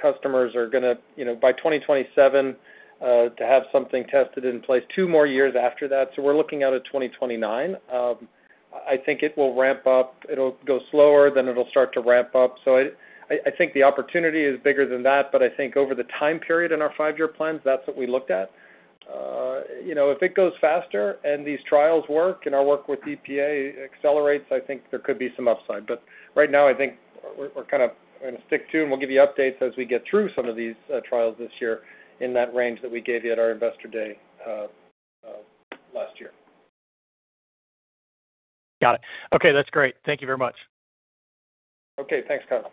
customers are going to, by 2027, to have something tested in place 2 more years after that. So we're looking out at 2029. I think it will ramp up. It'll go slower, then it'll start to ramp up. So I think the opportunity is bigger than that. But I think over the time period in our 5-year plans, that's what we looked at. If it goes faster and these trials work and our work with EPA accelerates, I think there could be some upside. But right now, I think we're kind of going to stick to and we'll give you updates as we get through some of these trials this year in that range that we gave you at our investor day last year. Got it. Okay. That's great. Thank you very much. Okay. Thanks, Kyle.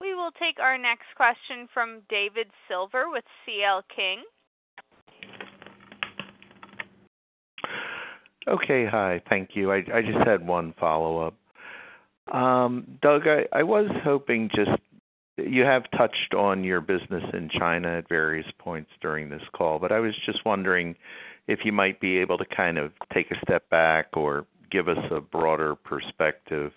We will take our next question from David Silver with CL King. Okay. Hi. Thank you. I just had one follow-up. Doug, I was hoping just you have touched on your business in China at various points during this call, but I was just wondering if you might be able to kind of take a step back or give us a broader perspective.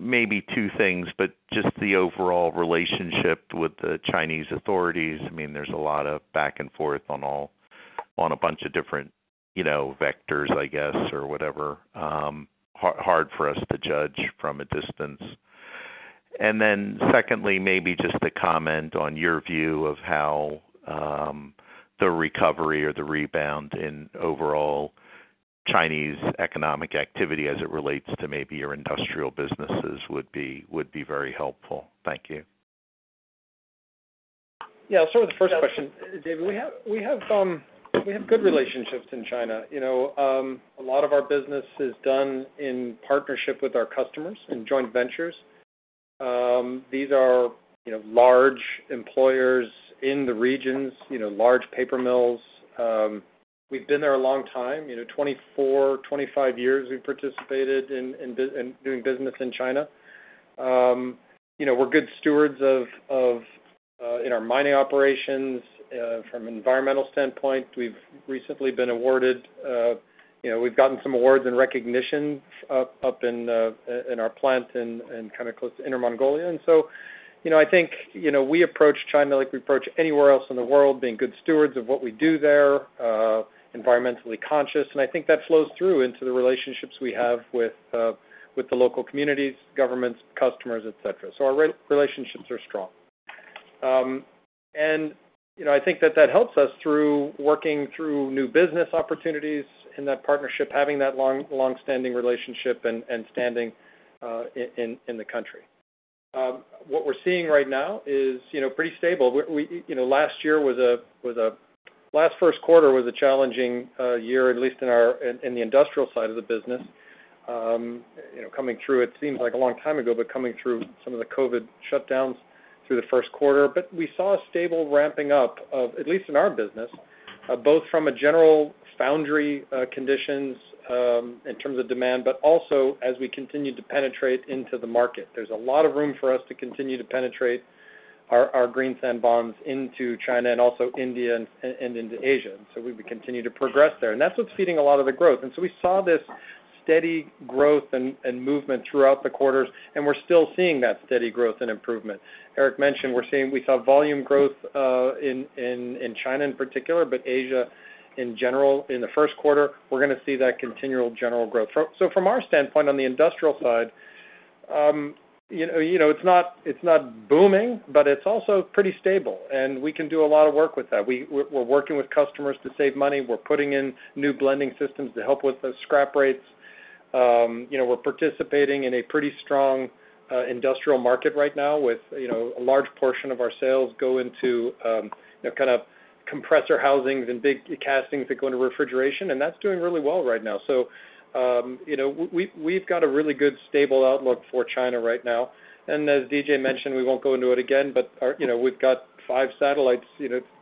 Maybe two things, but just the overall relationship with the Chinese authorities. I mean, there's a lot of back and forth on a bunch of different vectors, I guess, or whatever, hard for us to judge from a distance. And then secondly, maybe just a comment on your view of how the recovery or the rebound in overall Chinese economic activity as it relates to maybe your industrial businesses would be very helpful. Thank you. Yeah. Sorry, the first question, David. We have good relationships in China. A lot of our business is done in partnership with our customers in joint ventures. These are large employers in the regions, large paper mills. We've been there a long time, 24, 25 years we've participated in doing business in China. We're good stewards in our mining operations from an environmental standpoint. We've recently gotten some awards and recognition up in our plant and kind of close to Inner Mongolia. I think we approach China like we approach anywhere else in the world, being good stewards of what we do there, environmentally conscious. I think that flows through into the relationships we have with the local communities, governments, customers, etc. So our relationships are strong. I think that that helps us through working through new business opportunities in that partnership, having that longstanding relationship and standing in the country. What we're seeing right now is pretty stable. Last year was at least the first quarter was a challenging year, at least in the industrial side of the business. Coming through, it seems like a long time ago, but coming through some of the COVID shutdowns through the first quarter. But we saw a stable ramping up, at least in our business, both from a general foundry conditions in terms of demand but also as we continue to penetrate into the market. There's a lot of room for us to continue to penetrate our green sand bonds into China and also India and into Asia. And so we would continue to progress there. And that's what's feeding a lot of the growth. And so we saw this steady growth and movement throughout the quarters, and we're still seeing that steady growth and improvement. Erik mentioned we saw volume growth in China in particular, but Asia in general. In the first quarter, we're going to see that continual general growth. So from our standpoint on the industrial side, it's not booming, but it's also pretty stable. And we can do a lot of work with that. We're working with customers to save money. We're putting in new blending systems to help with the scrap rates. We're participating in a pretty strong industrial market right now with a large portion of our sales go into kind of compressor housings and big castings that go into refrigeration. And that's doing really well right now. So we've got a really good stable outlook for China right now. And as D.J. mentioned, we won't go into it again, but we've got 5 satellites,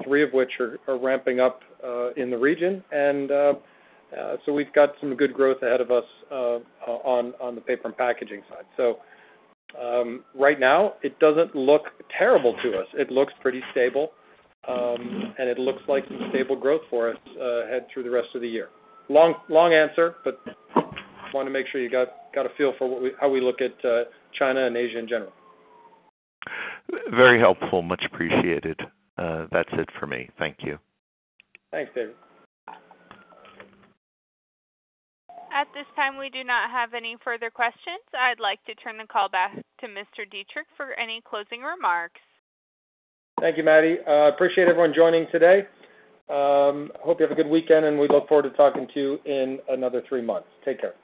3 of which are ramping up in the region. And so we've got some good growth ahead of us on the paper and packaging side. So right now, it doesn't look terrible to us. It looks pretty stable, and it looks like some stable growth for us ahead through the rest of the year. Long answer, but want to make sure you got a feel for how we look at China and Asia in general. Very helpful. Much appreciated. That's it for me. Thank you. Thanks, David. At this time, we do not have any further questions. I'd like to turn the call back to Mr. Dietrich for any closing remarks. Thank you, Matty. Appreciate everyone joining today. Hope you have a good weekend, and we look forward to talking to you in another three months. Take care.